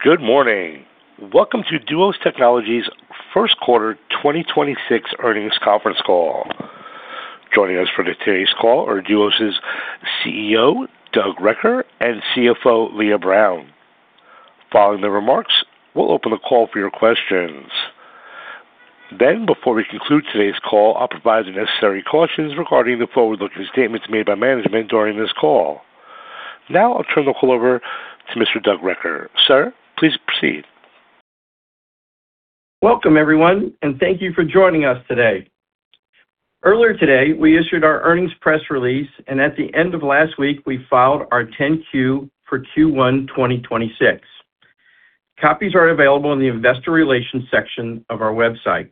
Good morning. Welcome to Duos Technologies Group's first quarter 2026 earnings conference call. Joining us for today's call are Duos' CEO, Doug Recker, and CFO, Leah Brown. Following the remarks, we'll open the call for your questions. Before we conclude today's call, I'll provide the necessary cautions regarding the forward-looking statements made by management during this call. I'll turn the call over to Mr. Doug Recker. Sir, please proceed. Welcome, everyone, and thank you for joining us today. Earlier today, we issued our earnings press release, and at the end of last week, we filed our 10-Q for Q1 2026. Copies are available in the investor relations section of our website.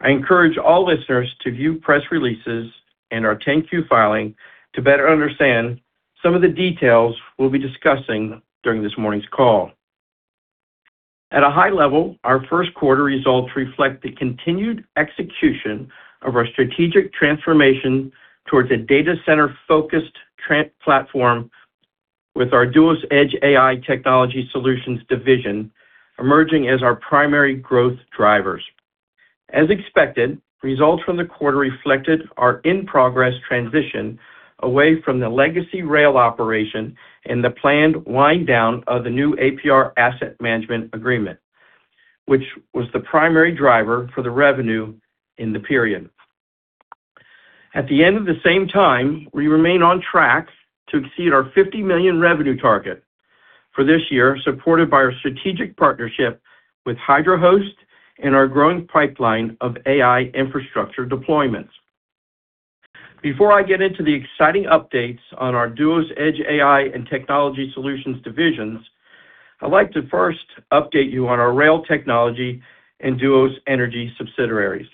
I encourage all listeners to view press releases and our 10-Q filing to better understand some of the details we'll be discussing during this morning's call. At a high level, our first quarter results reflect the continued execution of our strategic transformation towards a data center-focused platform with our Duos Edge AI Technology Solutions division emerging as our primary growth drivers. As expected, results from the quarter reflected our in-progress transition away from the legacy rail operation and the planned wind down of the New APR Energy Asset Management Agreement, which was the primary driver for the revenue in the period. At the end of the same time, we remain on track to exceed our $50 million revenue target for this year, supported by our strategic partnership with Hydra Host and our growing pipeline of AI infrastructure deployments. Before I get into the exciting updates on our Duos Edge AI and Technology Solutions divisions, I'd like to first update you on our rail technology and Duos Energy subsidiaries.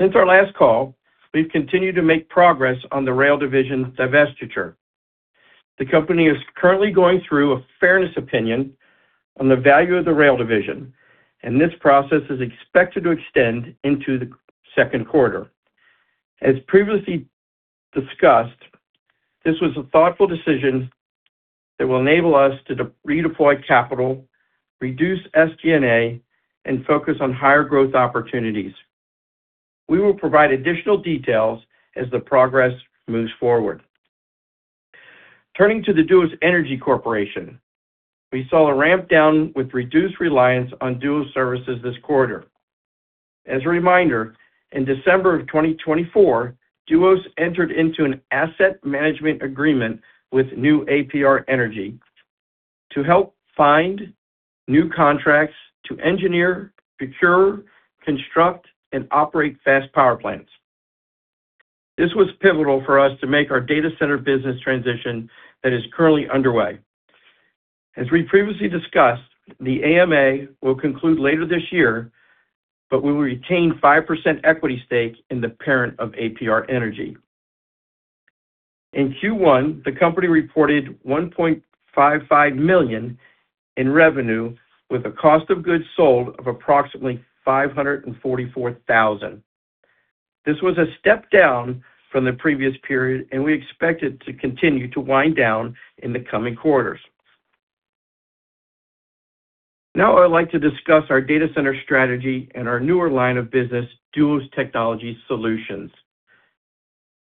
Since our last call, we've continued to make progress on the rail division divestiture. The company is currently going through a fairness opinion on the value of the rail division, and this process is expected to extend into the second quarter. As previously discussed, this was a thoughtful decision that will enable us to redeploy capital, reduce SG&A, and focus on higher growth opportunities. We will provide additional details as the progress moves forward. Turning to the Duos Energy Corporation, we saw a ramp down with reduced reliance on Duos services this quarter. As a reminder, in December 2024, Duos entered into an Asset Management Agreement with New APR Energy to help find new contracts to engineer, procure, construct, and operate fast power plants. This was pivotal for us to make our data center business transition that is currently underway. As we previously discussed, the AMA will conclude later this year, but we will retain 5% equity stake in the parent of APR Energy. In Q1, the company reported $1.55 million in revenue with a cost of goods sold of approximately $544,000. This was a step down from the previous period, we expect it to continue to wind down in the coming quarters. Now I'd like to discuss our data center strategy and our newer line of business, Duos Technology Solutions.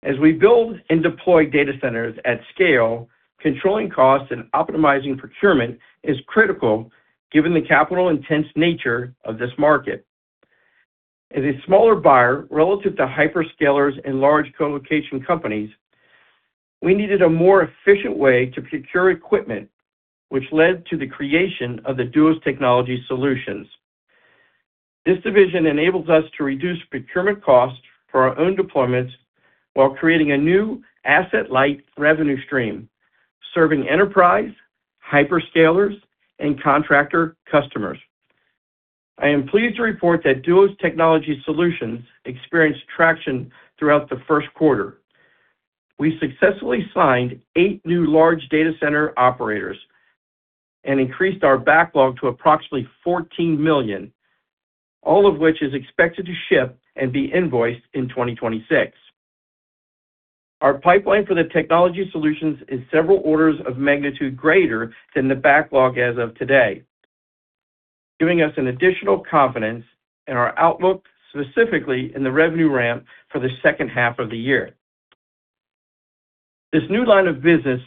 As we build and deploy data centers at scale, controlling costs and optimizing procurement is critical given the capital-intense nature of this market. As a smaller buyer relative to hyperscalers and large colocation companies, we needed a more efficient way to procure equipment, which led to the creation of the Duos Technology Solutions. This division enables us to reduce procurement costs for our own deployments while creating a new asset-light revenue stream serving enterprise, hyperscalers, and contractor customers. I am pleased to report that Duos Technology Solutions experienced traction throughout the first quarter. We successfully signed eight new large data center operators and increased our backlog to approximately $14 million, all of which is expected to ship and be invoiced in 2026. Our pipeline for the Technology Solutions is several orders of magnitude greater than the backlog as of today, giving us an additional confidence in our outlook, specifically in the revenue ramp for the second half of the year. This new line of business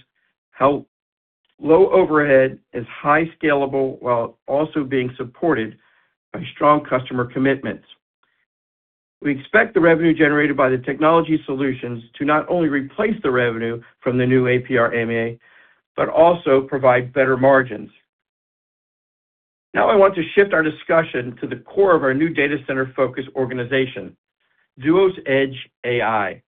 help low overhead is high scalable while also being supported by strong customer commitments. We expect the revenue generated by the Technology Solutions to not only replace the revenue from the new APR AMA, but also provide better margins. Now I want to shift our discussion to the core of our new data center-focused organization, Duos Edge AI.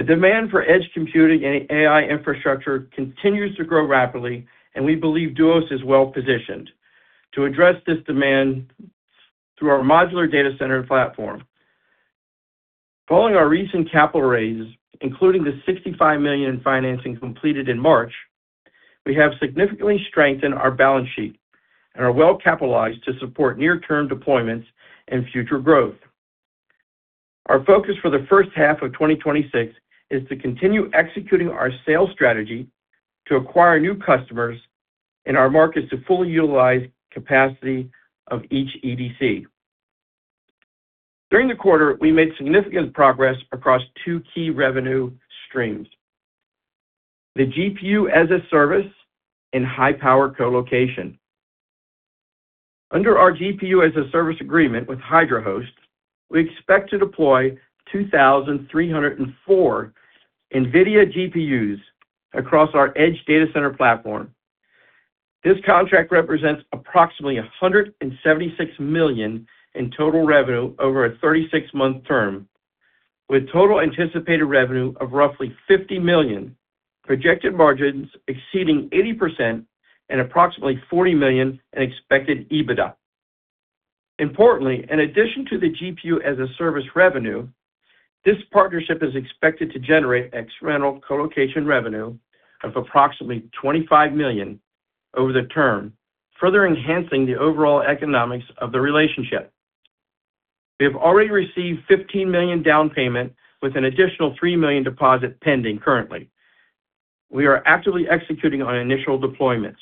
The demand for edge computing and AI infrastructure continues to grow rapidly, and we believe Duos is well-positioned to address this demand through our modular data center platform. Following our recent capital raises, including the $65 million in financing completed in March, we have significantly strengthened our balance sheet and are well-capitalized to support near-term deployments and future growth. Our focus for the first half of 2026 is to continue executing our sales strategy to acquire new customers in our markets to fully utilize capacity of each EDC. During the quarter, we made significant progress across two key revenue streams, the GPU-as-a-Service and high-power colocation. Under our GPU-as-a-Service agreement with Hydra Host, we expect to deploy 2,304 NVIDIA GPUs across our edge data center platform. This contract represents approximately $176 million in total revenue over a 36-month term, with total anticipated revenue of roughly $50 million, projected margins exceeding 80% and approximately $40 million in expected EBITDA. Importantly, in addition to the GPU-as-a-Service revenue, this partnership is expected to generate incremental colocation revenue of approximately $25 million over the term, further enhancing the overall economics of the relationship. We have already received $15 million down payment with an additional $3 million deposit pending currently. We are actively executing on initial deployments.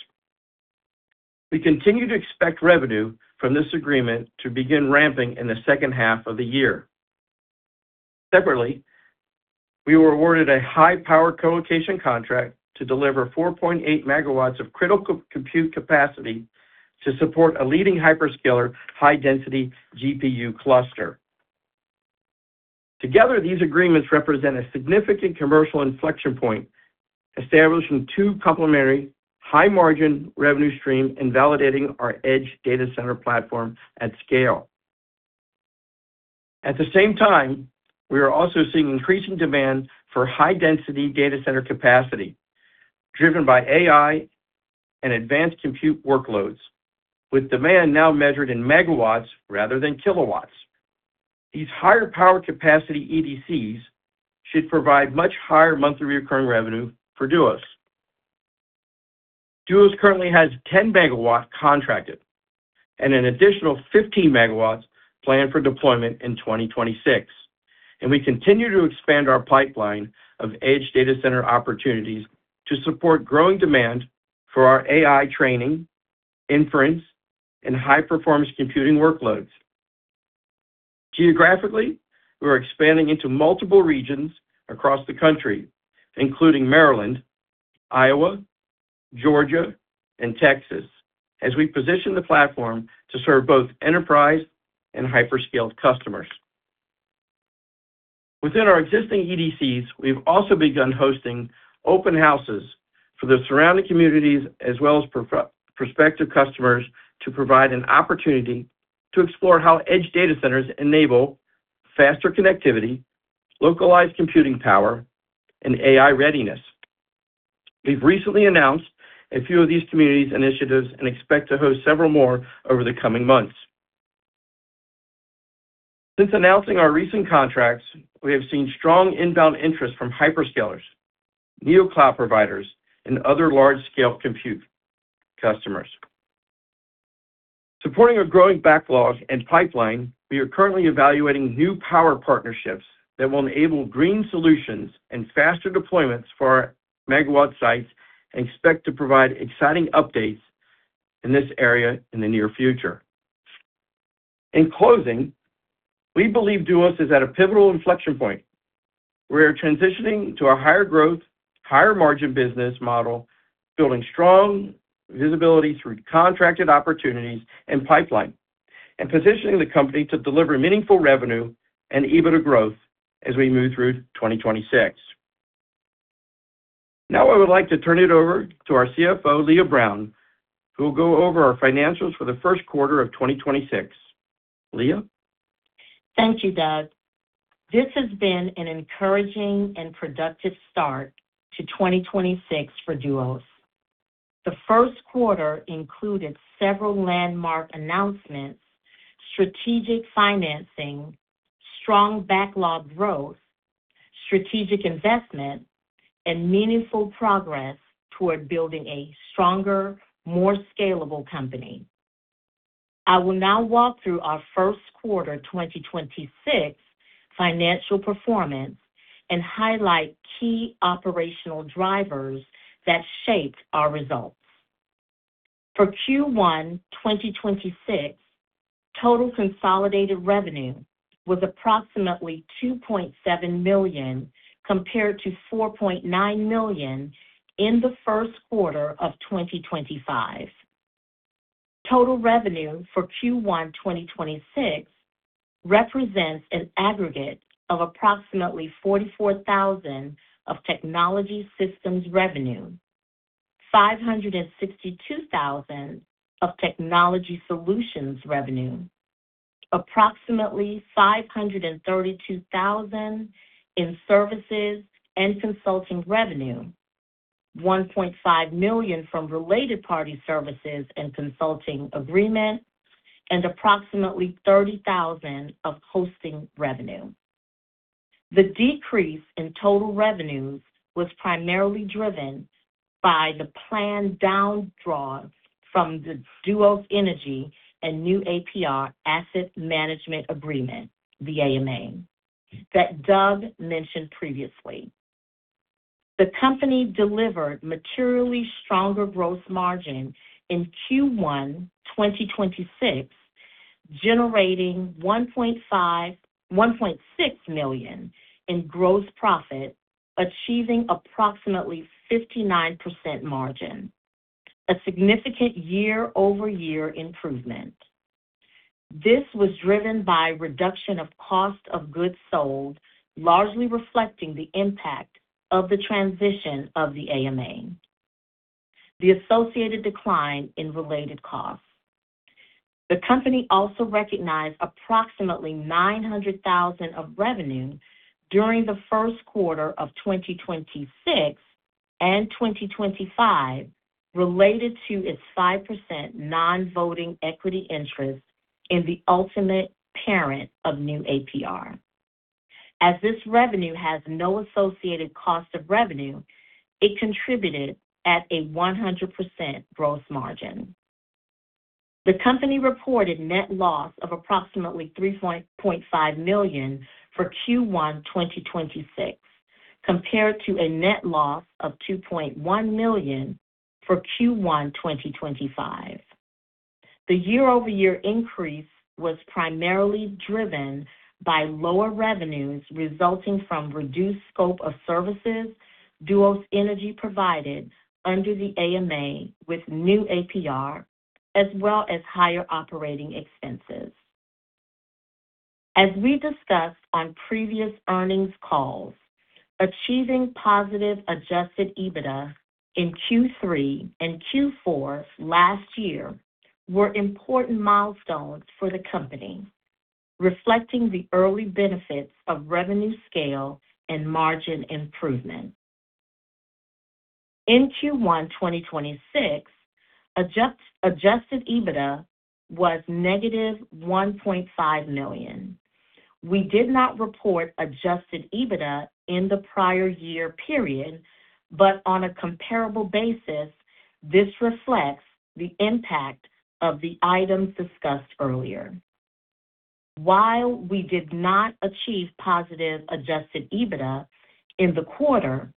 We continue to expect revenue from this agreement to begin ramping in the second half of the year. Separately, we were awarded a high-power colocation contract to deliver 4.8 MW of critical compute capacity to support a leading hyperscaler high-density GPU cluster. Together, these agreements represent a significant commercial inflection point, establishing two complementary high-margin revenue streams and validating our edge data center platform at scale. At the same time, we are also seeing increasing demand for high-density data center capacity driven by AI and advanced compute workloads, with demand now measured in megawatts rather than kilowatts. These higher power capacity EDCs should provide much higher monthly recurring revenue for Duos. Duos currently has 10 MW contracted and an additional 15 MW planned for deployment in 2026, and we continue to expand our pipeline of edge data center opportunities to support growing demand for our AI training, inference, and high-performance computing workloads. Geographically, we're expanding into multiple regions across the country, including Maryland, Iowa, Georgia, and Texas, as we position the platform to serve both enterprise and hyperscale customers. Within our existing EDCs, we've also begun hosting open houses for the surrounding communities as well as prospective customers to provide an opportunity to explore how edge data centers enable faster connectivity, localized computing power, and AI readiness. We've recently announced a few of these communities initiatives and expect to host several more over the coming months. Since announcing our recent contracts, we have seen strong inbound interest from hyperscalers, neocloud providers, and other large-scale compute customers. Supporting a growing backlog and pipeline, we are currently evaluating new power partnerships that will enable green solutions and faster deployments for our megawatt sites and expect to provide exciting updates in this area in the near future. In closing, we believe Duos is at a pivotal inflection point. We are transitioning to a higher growth, higher margin business model, building strong visibility through contracted opportunities and pipeline, and positioning the company to deliver meaningful revenue and EBITDA growth as we move through 2026. I would like to turn it over to our CFO, Leah Brown, who will go over our financials for the first quarter of 2026. Leah? Thank you, Doug. This has been an encouraging and productive start to 2026 for Duos. The first quarter included several landmark announcements, strategic financing, strong backlog growth, strategic investment, and meaningful progress toward building a stronger, more scalable company. I will now walk through our first quarter 2026 financial performance and highlight key operational drivers that shaped our results. For Q1 2026, total consolidated revenue was approximately $2.7 million compared to $4.9 million in the first quarter of 2025. Total revenue for Q1 2026 represents an aggregate of approximately $44,000 of technology systems revenue, $562,000 of technology solutions revenue, approximately $532,000 in services and consulting revenue, $1.5 million from related party services and consulting agreements, and approximately $30,000 of hosting revenue. The decrease in total revenues was primarily driven by the planned down draw from the Duos Energy and New APR asset management agreement, the AMA, that Doug mentioned previously. The company delivered materially stronger gross margin in Q1 2026, generating $1.6 million in gross profit, achieving approximately 59% margin, a significant year-over-year improvement. This was driven by reduction of cost of goods sold, largely reflecting the impact of the transition of the AMA, the associated decline in related costs. The company also recognized approximately $900,000 of revenue during the first quarter of 2026 and 2025 related to its 5% non-voting equity interest in the ultimate parent of New APR. As this revenue has no associated cost of revenue, it contributed at a 100% gross margin. The company reported net loss of approximately $3.5 million for Q1 2026 compared to a net loss of $2.1 million for Q1 2025. The year-over-year increase was primarily driven by lower revenues resulting from reduced scope of services Duos Energy provided under the AMA with New APR, as well as higher operating expenses. As we discussed on previous earnings calls, achieving positive adjusted EBITDA in Q3 and Q4 last year were important milestones for the company, reflecting the early benefits of revenue scale and margin improvement. In Q1 2026, adjusted EBITDA was -$1.5 million. We did not report adjusted EBITDA in the prior year period. On a comparable basis, this reflects the impact of the items discussed earlier. While we did not achieve positive adjusted EBITDA in the quarter,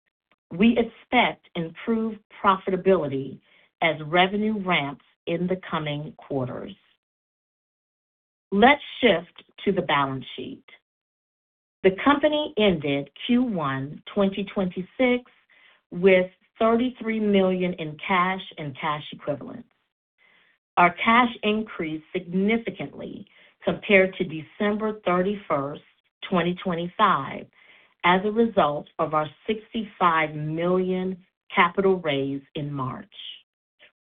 we expect improved profitability as revenue ramps in the coming quarters. Let's shift to the balance sheet. The company ended Q1 2026 with $33 million in cash and cash equivalents. Our cash increased significantly compared to December 31st, 2025 as a result of our $65 million capital raise in March,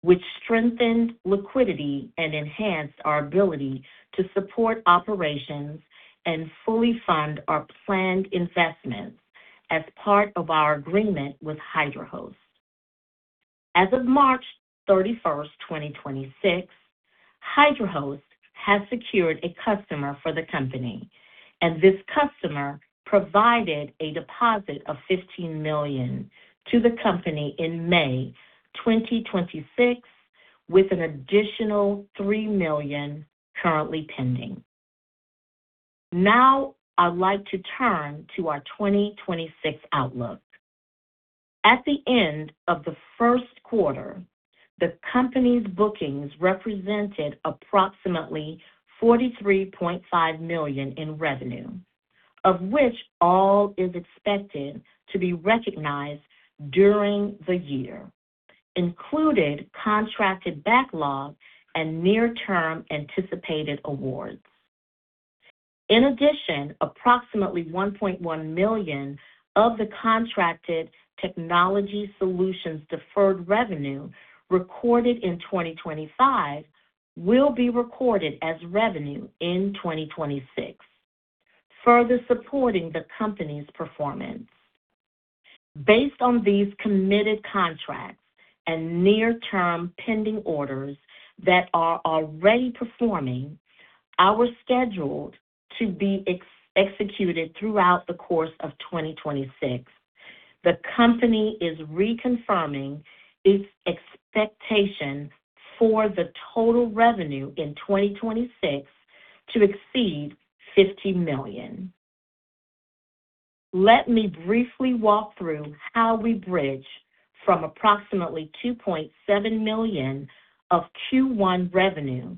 which strengthened liquidity and enhanced our ability to support operations and fully fund our planned investments as part of our agreement with Hydra Host. As of March 31st, 2026, Hydra Host has secured a customer for the company, and this customer provided a deposit of $15 million to the company in May 2026, with an additional $3 million currently pending. Now I'd like to turn to our 2026 outlook. At the end of the first quarter, the company's bookings represented approximately $43.5 million in revenue, of which all is expected to be recognized during the year, included contracted backlog and near-term anticipated awards. In addition, approximately $1.1 million of the contracted technology solutions deferred revenue recorded in 2025 will be recorded as revenue in 2026, further supporting the company's performance. Based on these committed contracts and near-term pending orders that are already performing and scheduled to be executed throughout the course of 2026. The company is reconfirming its expectation for the total revenue in 2026 to exceed $50 million. Let me briefly walk through how we bridge from approximately $2.7 million of Q1 revenue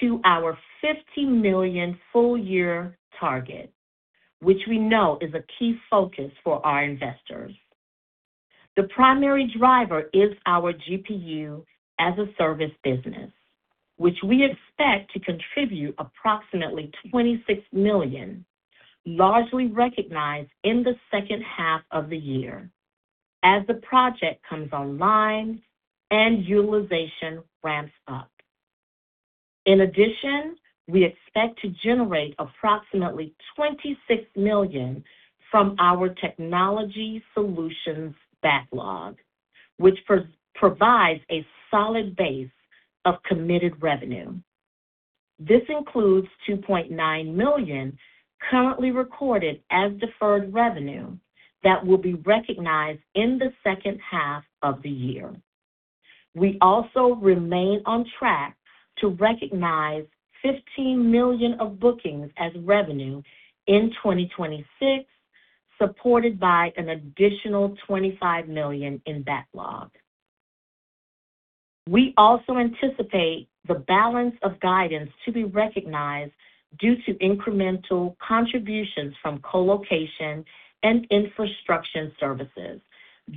to our $50 million full year target, which we know is a key focus for our investors. The primary driver is our GPU-as-a-Service business, which we expect to contribute approximately $26 million, largely recognized in the second half of the year as the project comes online and utilization ramps up. In addition, we expect to generate approximately $26 million from our technology solutions backlog, which provides a solid base of committed revenue. This includes $2.9 million currently recorded as deferred revenue that will be recognized in the second half of the year. We also remain on track to recognize $15 million of bookings as revenue in 2026, supported by an additional $25 million in backlog. We also anticipate the balance of guidance to be recognized due to incremental contributions from colocation and infrastructure services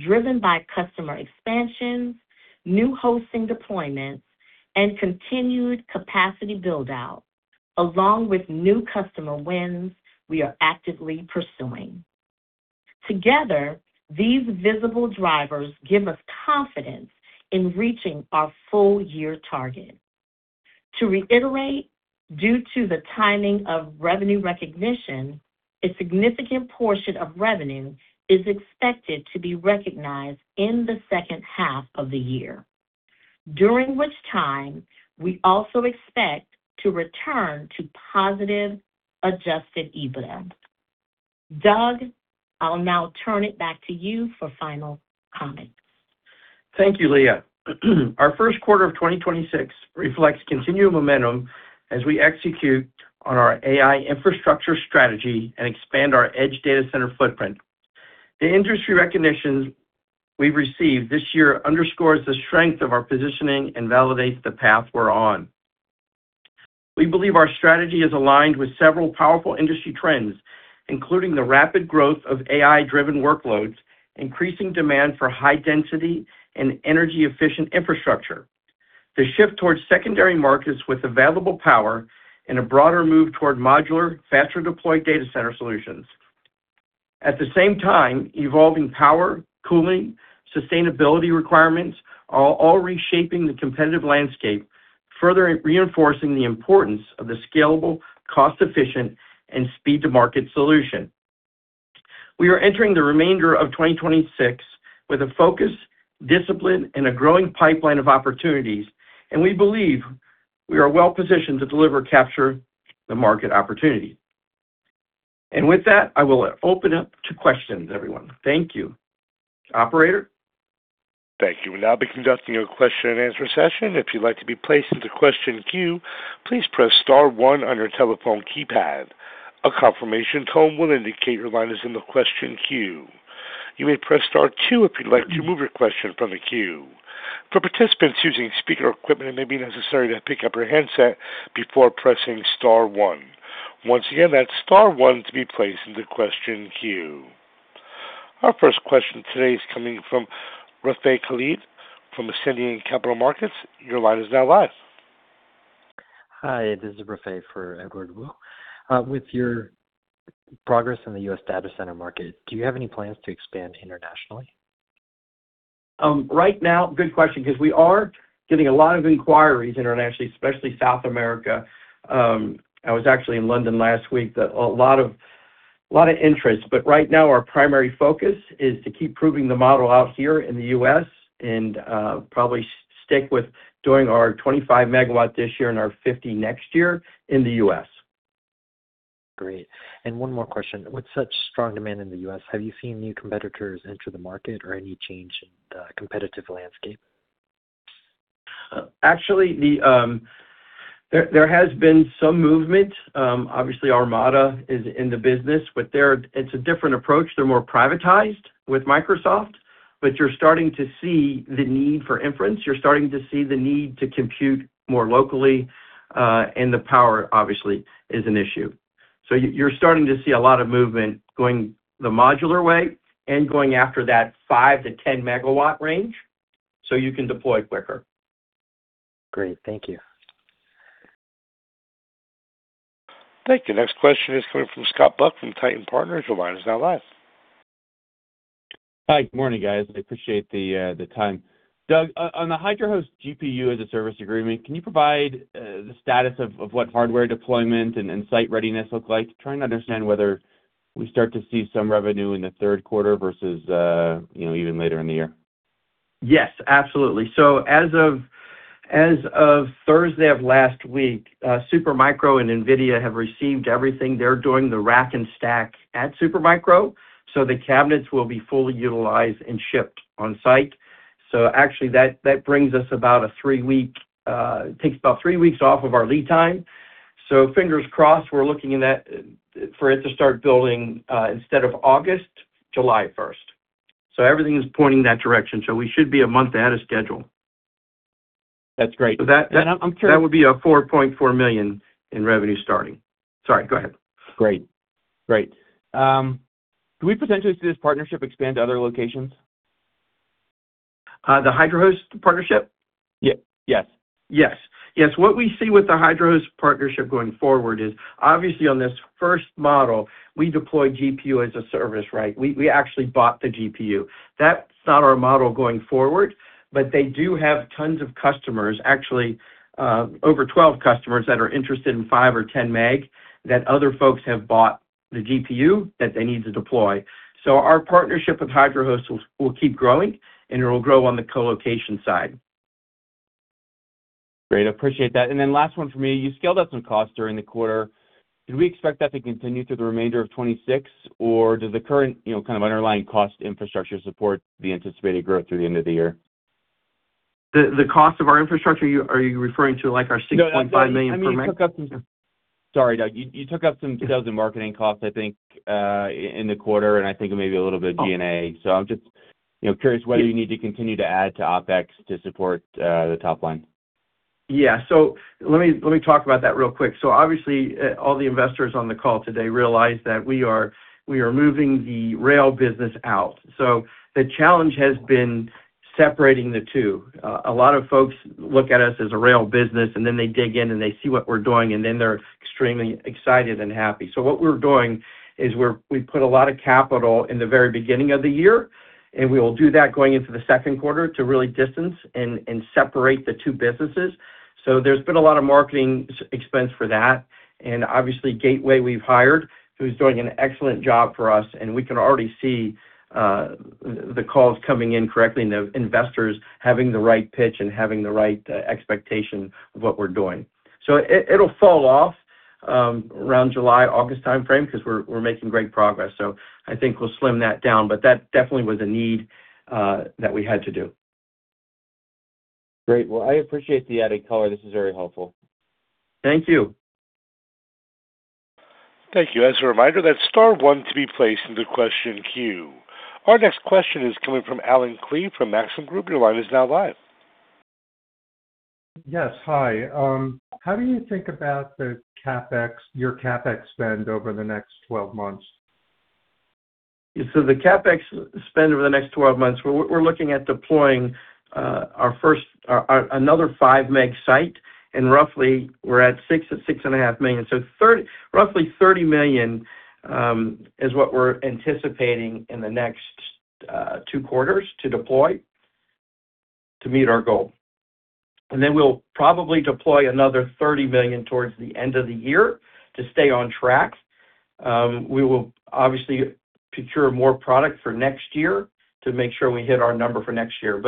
driven by customer expansions, new hosting deployments, and continued capacity build-out, along with new customer wins we are actively pursuing. Together, these visible drivers give us confidence in reaching our full-year target. To reiterate, due to the timing of revenue recognition, a significant portion of revenue is expected to be recognized in the second half of the year, during which time we also expect to return to positive adjusted EBITDA. Doug, I'll now turn it back to you for final comments. Thank you, Leah. Our first quarter of 2026 reflects continued momentum as we execute on our AI infrastructure strategy and expand our edge data center footprint. The industry recognition we've received this year underscores the strength of our positioning and validates the path we're on. We believe our strategy is aligned with several powerful industry trends, including the rapid growth of AI-driven workloads, increasing demand for high density and energy-efficient infrastructure, the shift towards secondary markets with available power and a broader move toward modular, faster deployed data center solutions. At the same time, evolving power, cooling, sustainability requirements are all reshaping the competitive landscape, further reinforcing the importance of the scalable, cost-efficient, and speed-to-market solution. We are entering the remainder of 2026 with a focus, discipline, and a growing pipeline of opportunities, and we believe we are well-positioned to deliver capture the market opportunity. With that, I will open up to questions, everyone. Thank you. Operator? Thank you. We'll now be conducting a question-and-answer session. If you'd like to be placed in the question queue, please press star one on your telephone keypad. A confirmation tone will indicate your line is in the question queue. You may press star two if you'd like to remove your question from the queue. For participants using speaker equipment, it may be necessary to pick up your handset before pressing star one. Once again, that's star one to be placed in the question queue. Our first question today is coming from Rafay Khalid from Ascendiant Capital Markets. Your line is now live. Hi, this is Rafay for Edward Woo. With your progress in the U.S. data center market, do you have any plans to expand internationally? Right now, good question, 'cause we are getting a lot of inquiries internationally, especially South America. I was actually in London last week. A lot of interest. Right now, our primary focus is to keep proving the model out here in the U.S. and probably stick with doing our 25 MW this year and our 50 next year in the U.S. Great. One more question. With such strong demand in the U.S., have you seen new competitors enter the market or any change in the competitive landscape? Actually the There has been some movement. Obviously Armada is in the business, but it's a different approach. They're more privatized with Microsoft, but you're starting to see the need for inference. You're starting to see the need to compute more locally, and the power obviously is an issue. You're starting to see a lot of movement going the modular way and going after that 5 MW-10 MW range so you can deploy quicker. Great. Thank you. Thank you. Next question is coming from Scott Buck from Titan Partners. Your line is now live. Hi. Good morning, guys. I appreciate the time. Doug, on the Hydra Host GPU-as-a-Service agreement, can you provide the status of what hardware deployment and site readiness look like? Trying to understand whether we start to see some revenue in the third quarter versus, you know, even later in the year. Yes, absolutely. As of Thursday of last week, NVIDIA and Supermicro have received everything. They're doing the rack and stack at Supermicro, so the cabinets will be fully utilized and shipped on site. Actually, that brings us about a three-week, takes about three weeks off of our lead time. Fingers crossed, we're looking at that for it to start building instead of August, July 1st. Everything is pointing that direction, so we should be a month ahead of schedule. That's great. I'm curious. That would be a $4.4 million in revenue starting. Sorry, go ahead. Great. Great. Do we potentially see this partnership expand to other locations? The Hydra Host partnership? Ye-yes. Yes. What we see with the Hydra Host partnership going forward is, obviously on this first model, we deployed GPU-as-a-Service, right? We actually bought the GPU. That's not our model going forward, but they do have tons of customers, actually, over 12 customers that are interested in 5 MW or 10 MW that other folks have bought the GPU that they need to deploy. Our partnership with Hydra Host will keep growing, and it will grow on the co-location side. Great. I appreciate that. Last one for me. You scaled up some costs during the quarter. Do we expect that to continue through the remainder of 2026, or does the current, you know, kind of underlying cost infrastructure support the anticipated growth through the end of the year? The cost of our infrastructure, are you referring to, like, our $6.5 million per megawatt? No, I mean, you took up some Sorry, Doug. You took up some sales and marketing costs, I think, in the quarter, and I think maybe a little bit of D&A. I'm just, you know, curious whether you need to continue to add to OpEx to support the top line. Let me talk about that real quick. Obviously, all the investors on the call today realize that we are moving the rail business out. The challenge has been separating the two. A lot of folks look at us as a rail business, and then they dig in, and they see what we're doing, and then they're extremely excited and happy. What we're doing is we put a lot of capital in the very beginning of the year, and we will do that going into the second quarter to really distance and separate the two businesses. There's been a lot of marketing expense for that. Obviously, Gateway we've hired, who's doing an excellent job for us, and we can already see, the calls coming in correctly and the investors having the right pitch and having the right expectation of what we're doing. It'll fall off around July, August timeframe because we're making great progress. I think we'll slim that down. That definitely was a need that we had to do. Great. Well, I appreciate the added color. This is very helpful. Thank you. Thank you. As a reminder, that's star one to be placed into question queue. Our next question is coming from Allen Klee from Maxim Group. Your line is now live. Yes. Hi. How do you think about your CapEx spend over the next 12 months? The CapEx spend over the next 12 months, we're looking at deploying another 5 MW site, and roughly we're at $6 million-$6.5 million. $30 million is what we're anticipating in the next two quarters to deploy to meet our goal. We'll probably deploy another $30 million towards the end of the year to stay on track. We will obviously procure more product for next year to make sure we hit our number for next year.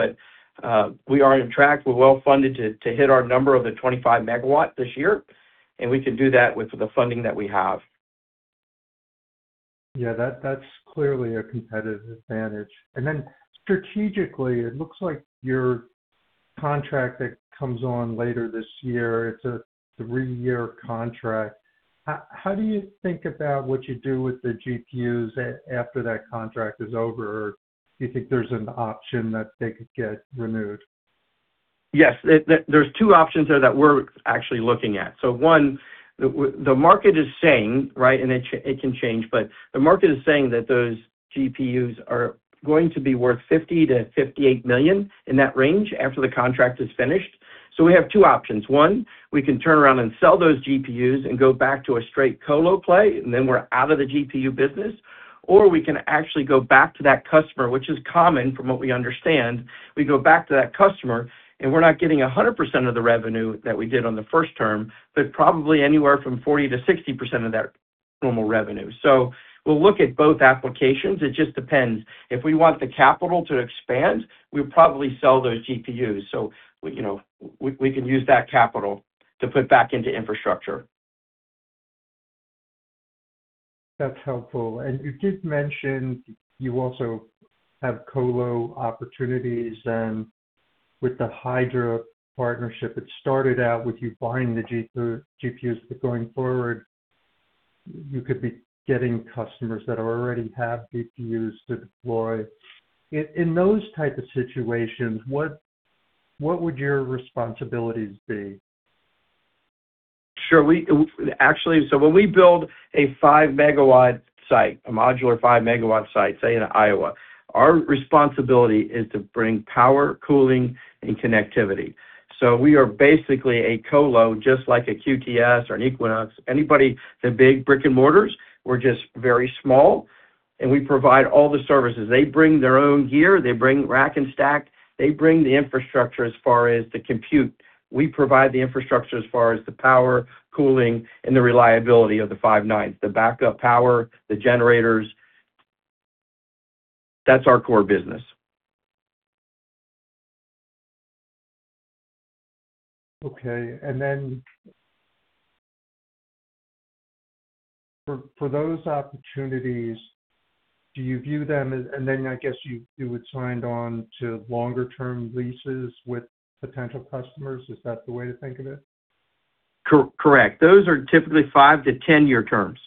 We are on track. We're well-funded to hit our number of the 25 MW this year, and we can do that with the funding that we have. Yeah. That's clearly a competitive advantage. Strategically, it looks like your contract that comes on later this year, it's a three-year contract. How do you think about what you do with the GPUs after that contract is over? Do you think there's an option that they could get renewed? Yes. There's two options there that we're actually looking at. One, the market is saying, right, and it can change, but the market is saying that those GPUs are going to be worth $50 million-$58 million, in that range, after the contract is finished. We have two options. One, we can turn around and sell those GPUs and go back to a straight colo play, and then we're out of the GPU business. We can actually go back to that customer, which is common from what we understand. We go back to that customer, and we're not getting 100% of the revenue that we did on the first term, but probably anywhere from 40%-60% of that normal revenue. We'll look at both applications. It just depends. If we want the capital to expand, we'll probably sell those GPUs. You know, we can use that capital to put back into infrastructure. That's helpful. You did mention you also have colo opportunities with the Hydra partnership. It started out with you buying the GPUs, but going forward, you could be getting customers that already have GPUs to deploy. In those type of situations, what would your responsibilities be? Sure. Actually, when we build a 5 MW site, a modular 5 MW site, say in Iowa, our responsibility is to bring power, cooling, and connectivity. We are basically a colo, just like a QTS or an Equinix. Anybody, the big brick-and-mortars, we are just very small, and we provide all the services. They bring their own gear. They bring rack and stack. They bring the infrastructure as far as the compute. We provide the infrastructure as far as the power, cooling, and the reliability of the five nines, the backup power, the generators. That is our core business. Okay. For those opportunities, I guess you would signed on to longer-term leases with potential customers. Is that the way to think of it? Correct. Those are typically five to 10 year terms.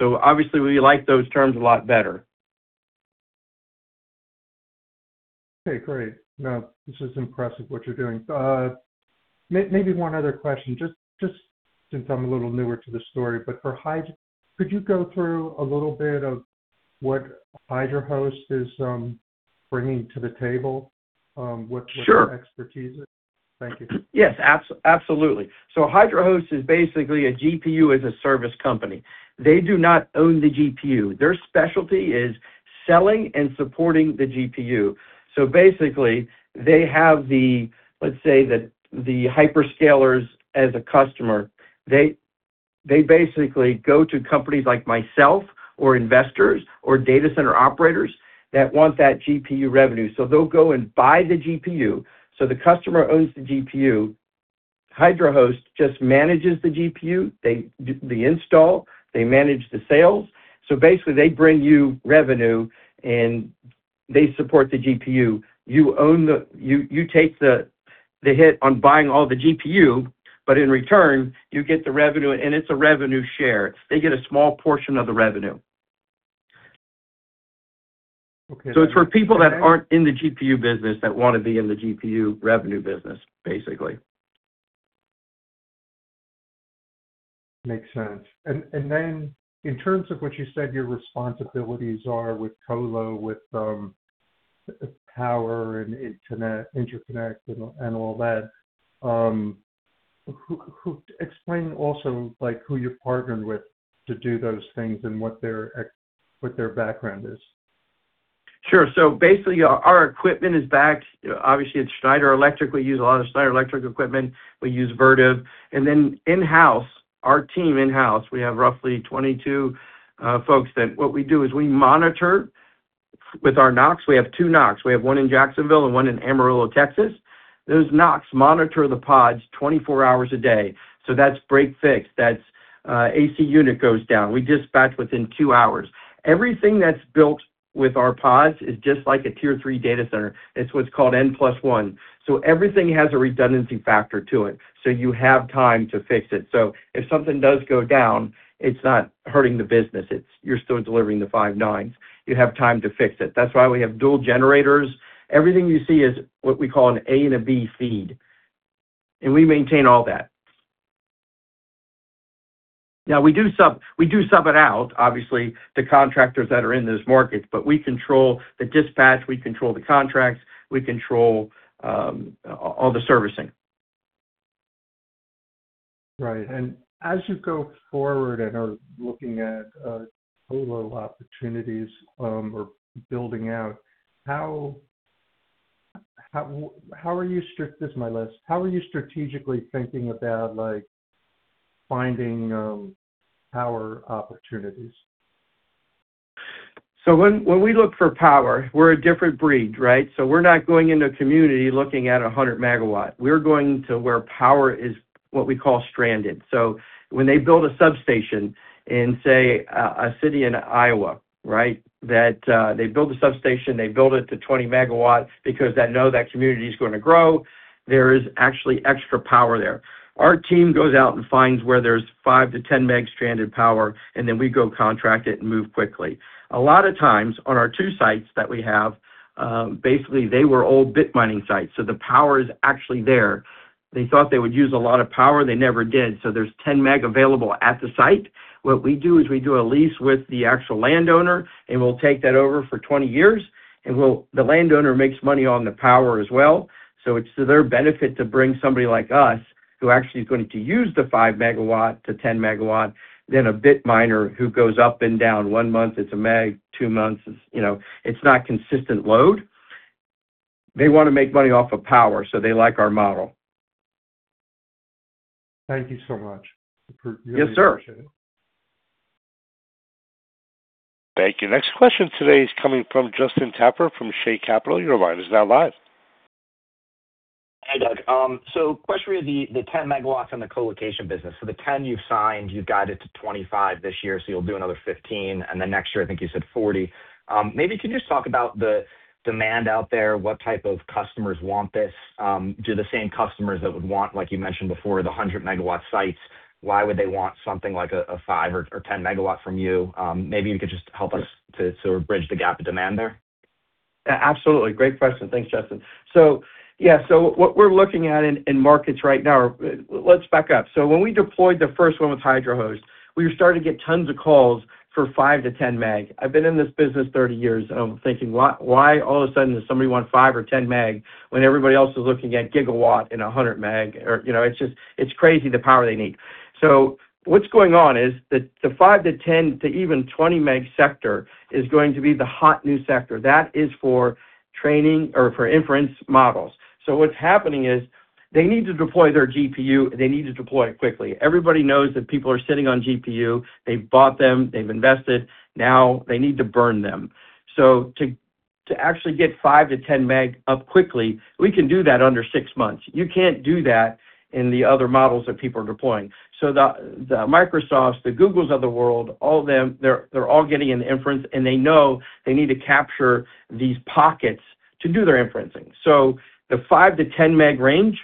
Obviously, we like those terms a lot better. Okay, great. No, this is impressive what you're doing. maybe one other question, just since I'm a little newer to the story. For Could you go through a little bit of what Hydra Host is bringing to the table? Sure. What their expertise is? Thank you. Yes, absolutely. Hydra Host is basically a GPU-as-a-Service company. They do not own the GPU. Their specialty is selling and supporting the GPU. Basically, they have let's say that the hyperscalers as a customer, they basically go to companies like myself or investors or data center operators that want that GPU revenue. They'll go and buy the GPU. The customer owns the GPU. Hydra Host just manages the GPU. They do the install, they manage the sales. Basically, they bring you revenue, and they support the GPU. You own the, you take the hit on buying all the GPU, but in return, you get the revenue, and it's a revenue share. They get a small portion of the revenue. Okay. It's for people that aren't in the GPU business that wanna be in the GPU revenue business, basically. Makes sense. In terms of what you said your responsibilities are with colo, with power and interconnect and all that, who Explain also, like, who you partnered with to do those things and what their background is? Sure. Our equipment is backed. Obviously, it's Schneider Electric. We use a lot of Schneider Electric equipment. We use Vertiv. In-house, our team in-house, we have roughly 22 folks that what we do is we monitor with our NOCs. We have two NOCs. We have one in Jacksonville and one in Amarillo, Texas. Those NOCs monitor the pods 24 hours a day. That's break fix. That's, AC unit goes down. We dispatch within two hours. Everything that's built with our pods is just like a Tier 3 data center. It's what's called N+1. Everything has a redundancy factor to it, so you have time to fix it. If something does go down, it's not hurting the business. You're still delivering the five nines. You have time to fix it. That's why we have dual generators. Everything you see is what we call an A and a B feed, and we maintain all that. We do sub it out, obviously, to contractors that are in those markets, but we control the dispatch, we control the contracts, we control all the servicing. Right. As you go forward and are looking at total opportunities, or building out, This is my list. How are you strategically thinking about, like, finding power opportunities? When we look for power, we're a different breed, right? We're not going into a community looking at a 100 MW. We're going to where power is, what we call stranded. When they build a substation in, say, a city in Iowa, right? That they build a substation, they build it to 20 MW because they know that community's gonna grow. There is actually extra power there. Our team goes out and finds where there's 5 MW-10 MW stranded power, and then we go contract it and move quickly. A lot of times on our two sites that we have, basically they were old bit mining sites, so the power is actually there. They thought they would use a lot of power, they never did. There's 10 MW available at the site. What we do is we do a lease with the actual landowner, and we'll take that over for 20 years. The landowner makes money on the power as well. It's to their benefit to bring somebody like us, who actually is going to use the 5 MW-10 MW than a bit miner who goes up and down. One month it's 1 MW, two months You know, it's not consistent load. They wanna make money off of power, they like our model. Thank you so much. Yes, sir. Really appreciate it. Thank you. Next question today is coming from Justin Taffer from Shay Capital. Your line is now live. Hi, Doug. Question really the 10 MW and the colocation business. The 10 MW you've signed, you've guided to 25 this year, so you'll do another 15. Next year, I think you said 40. Maybe can you just talk about the demand out there? What type of customers want this? Do the same customers that would want, like you mentioned before, the 100 MW sites, why would they want something like a 5 MW or 10 MW from you? Maybe you could just help us to bridge the gap of demand there. Absolutely. Great question. Thanks, Justin. Let's back up. When we deployed the first one with Hydra Host, we started to get tons of calls for 5 MW-10 MW. I've been in this business 30 years, and I'm thinking, "Why, why all of a sudden does somebody want five or ten meg when everybody else is looking at gigawatt and 100 MW?" You know, it's just, it's crazy the power they need. What's going on is the 5 MW-10 MW to even 20 MW sector is going to be the hot new sector. That is for training or for inference models. What's happening is they need to deploy their GPU, they need to deploy it quickly. Everybody knows that people are sitting on GPU. They've bought them, they've invested. They need to burn them. To actually get 5 MW-10 MW up quickly, we can do that under six months. You can't do that in the other models that people are deploying. The Microsofts, the Googles of the world, all them, they're all getting into inference, and they know they need to capture these pockets to do their inferencing. The 5 MW-10 MW range,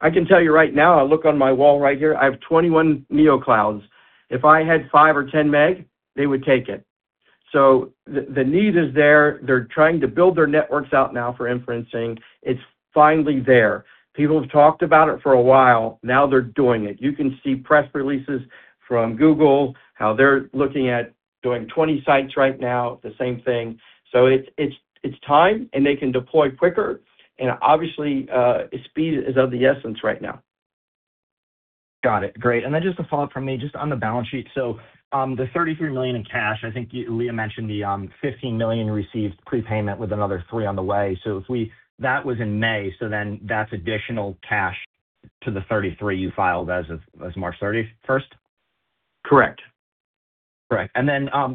I can tell you right now, I look on my wall right here, I have 21 neocloud. If I had 5 MW or 10 MW, they would take it. The need is there. They're trying to build their networks out now for inferencing. It's finally there. People have talked about it for a while. They're doing it. You can see press releases from Google, how they're looking at doing 20 sites right now, the same thing. It's time, and they can deploy quicker. Obviously, speed is of the essence right now. Got it. Great. Just a follow-up from me just on the balance sheet. The $33 million in cash, I think Leah mentioned the $15 million received prepayment with another $3 million on the way. That was in May, that's additional cash to the $33 million you filed as of March 31st? Correct. Correct.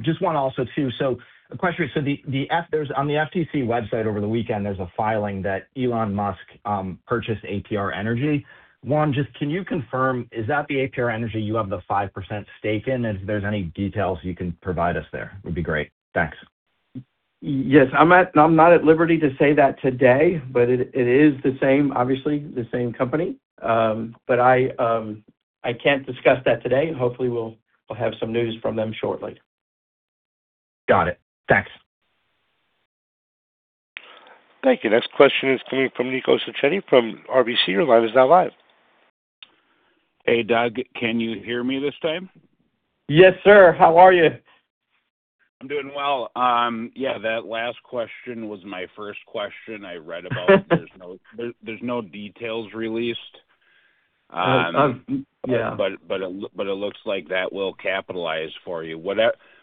just one also too. A question. On the FTC website over the weekend, there's a filing that Elon Musk purchased APR Energy. One, just can you confirm, is that the APR Energy you have the 5% stake in? If there's any details you can provide us there would be great. Thanks. Yes. I'm not at liberty to say that today, but it is the same, obviously the same company. I can't discuss that today. Hopefully, we'll have some news from them shortly. Got it. Thanks. Thank you. Next question is coming from Nico Sacchetti from RBC. Your line is now live. Hey, Doug. Can you hear me this time? Yes, sir. How are you? I'm doing well. Yeah, that last question was my first question I read about. There's no, there's no details released. Yeah. It looks like that will capitalize for you.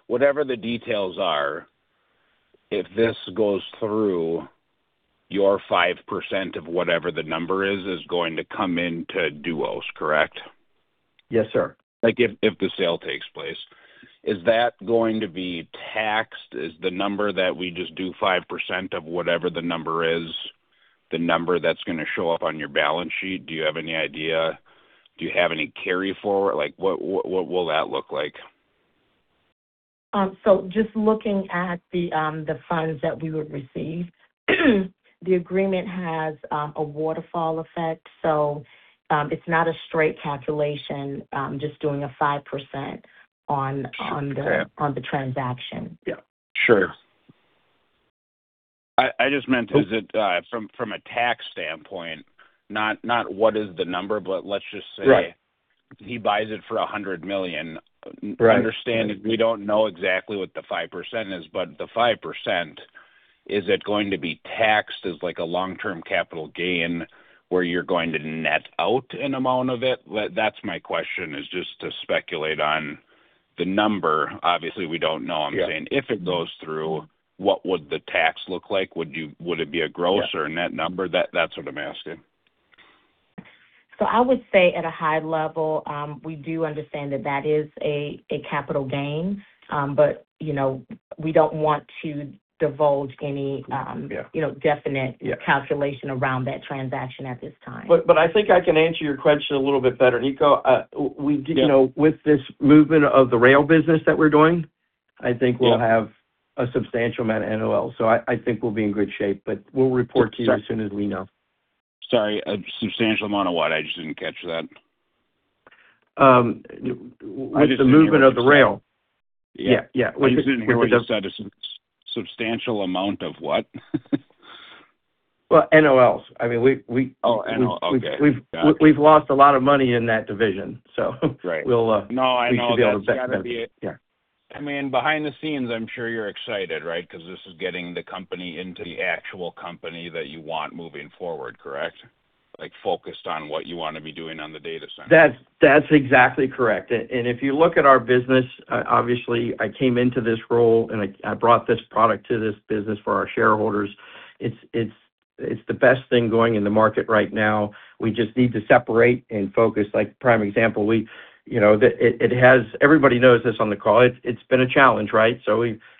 Whatever the details are, if this goes through, your 5% of whatever the number is is going to come into Duos, correct? Yes, sir. If the sale takes place. Is that going to be taxed? Is the number that we just do 5% of whatever the number is the number that's gonna show up on your balance sheet? Do you have any idea? Do you have any carry forward? What will that look like? Just looking at the funds that we would receive, the agreement has a waterfall effect. It's not a straight calculation just doing the 5% Okay on the transaction. Yeah. Sure. Oh From a tax standpoint, not what is the number, but let's just say.. Right he buys it for $100 million. Right. I understand we don't know exactly what the 5% is. The 5%, is it going to be taxed as like a long-term capital gain where you're going to net out an amount of it? That's my question is just to speculate on the number. Obviously, we don't know. Yeah. I'm saying if it goes through, what would the tax look like? Would it be a gross- Yeah or a net number? That's what I'm asking. I would say at a high level, we do understand that that is a capital gain. You know, we don't want to divulge any. Yeah you know Yeah calculation around that transaction at this time. I think I can answer your question a little bit better, Nico. We, you know. Yeah with this movement of the rail business that we're doing, I think.. Yeah have a substantial amount of NOLs. I think we'll be in good shape, but we'll report to you as soon as we know. Sorry, a substantial amount of what? I just didn't catch that. With the movement of the rail. Yeah. Yeah, yeah. I just didn't hear what you said. A substantial amount of what? Well, NOLs. I mean, we. Oh, NOL, okay. Got it. We've lost a lot of money in that division. Great we'll, uh- No, I know. That's gotta be it. we should be able to back that. Yeah. I mean, behind the scenes, I'm sure you're excited, right? 'Cause this is getting the company into the actual company that you want moving forward, correct? Like, focused on what you wanna be doing on the data center. That's exactly correct. If you look at our business, obviously, I came into this role, and I brought this product to this business for our shareholders. It's the best thing going in the market right now. We just need to separate and focus. Like, prime example, we, you know, Everybody knows this on the call. It's been a challenge, right?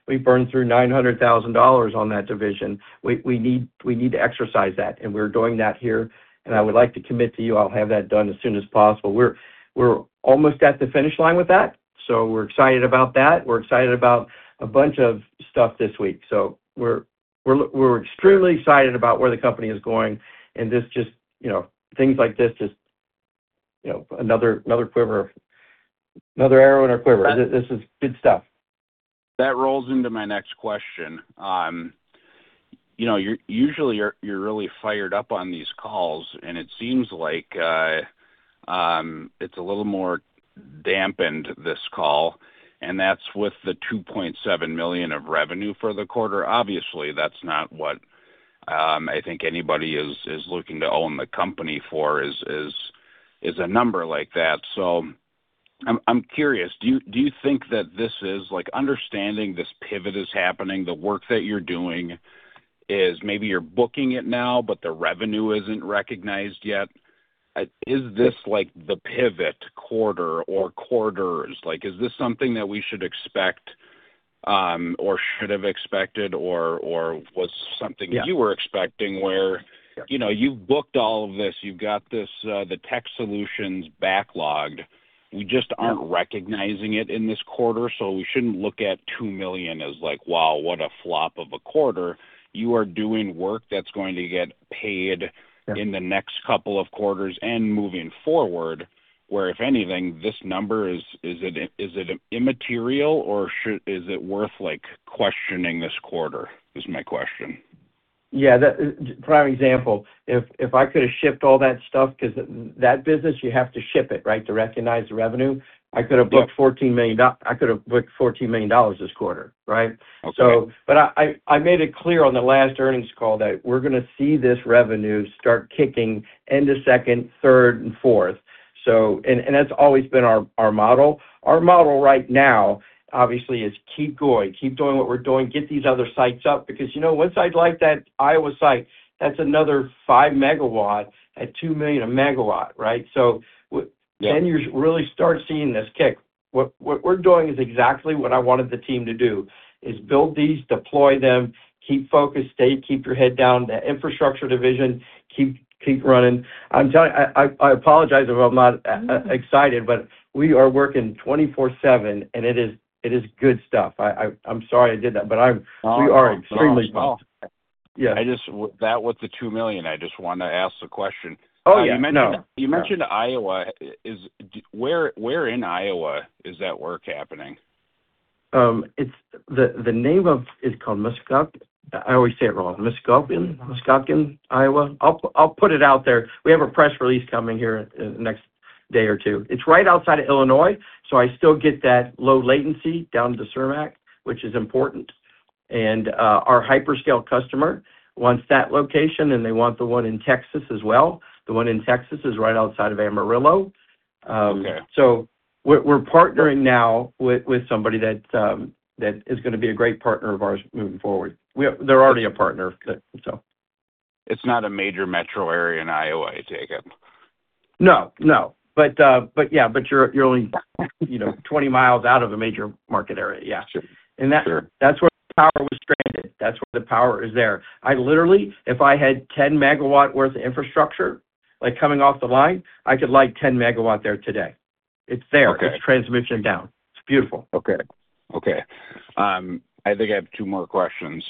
We burned through $900,000 on that division. We need to exercise that, and we're doing that here. I would like to commit to you I'll have that done as soon as possible. We're almost at the finish line with that, so we're excited about that. We're excited about a bunch of stuff this week. We're extremely excited about where the company is going. This just, you know, things like this just, you know, another quiver, another arrow in our quiver. This is good stuff. That rolls into my next question. You know, you're usually, you're really fired up on these calls, and it seems like it's a little more dampened this call, and that's with the $2.7 million of revenue for the quarter. Obviously, that's not what I think anybody is looking to own the company for is a number like that. I'm curious. Do you think that this is Like, understanding this pivot is happening, the work that you're doing is maybe you're booking it now, but the revenue isn't recognized yet. Is this like the pivot quarter or quarters? Like, is this something that we should expect or should have expected? Yeah You were expecting? Yeah you know, you've booked all of this. You've got this, the tech solutions backlogged. Yeah recognizing it in this quarter, we shouldn't look at $2 million as like, wow, what a flop of a quarter. You are doing work that's going to get paid. Yeah in the next couple of quarters and moving forward, where if anything, this number is it immaterial, or should is it worth, like, questioning this quarter is my question? Yeah, that prime example, if I could have shipped all that stuff, because that business you have to ship it, right, to recognize the revenue. Yeah. I could have booked $14 million this quarter, right? Okay. I, I made it clear on the last earnings call that we're going to see this revenue start kicking end of second, third, and fourth. That's always been our model. Our model right now obviously is keep going, keep doing what we're doing, get these other sites up. You know, once I like that Iowa site, that's another 5 MW at $2 million a megawatt, right? Yeah. You really start seeing this kick. What we're doing is exactly what I wanted the team to do, is build these, deploy them, keep focused, keep your head down. The infrastructure division, keep running. I'm telling you, I apologize if I'm not excited, we are working 24/7, and it is good stuff. I'm sorry I did that. No, no. We are extremely pumped. Yeah. With that, with the $2 million, I just wanna ask the question? Oh, yeah. No. You mentioned Iowa. Where in Iowa is that work happening? It's called Muscatine. I always say it wrong. Muscatine, Iowa. I'll put it out there. We have a press release coming here in the next day or two. It's right outside of Illinois, so I still get that low latency down to Kemah, which is important. Our hyperscale customer wants that location, and they want the one in Texas as well. The one in Texas is right outside of Amarillo. Okay. We're partnering now with somebody that is gonna be a great partner of ours moving forward. They're already a partner. It's not a major metro area in Iowa, I take it. No, no. Yeah. You're only, you know, 20 miles out of a major market area. Yeah. Sure. Sure. That's where the power was stranded. That's where the power is there. I literally, if I had 10 MW worth of infrastructure, like, coming off the line, I could light 10 MW there today. It's there. Okay. It's transmission down. It's beautiful. Okay. Okay. I think I have two more questions.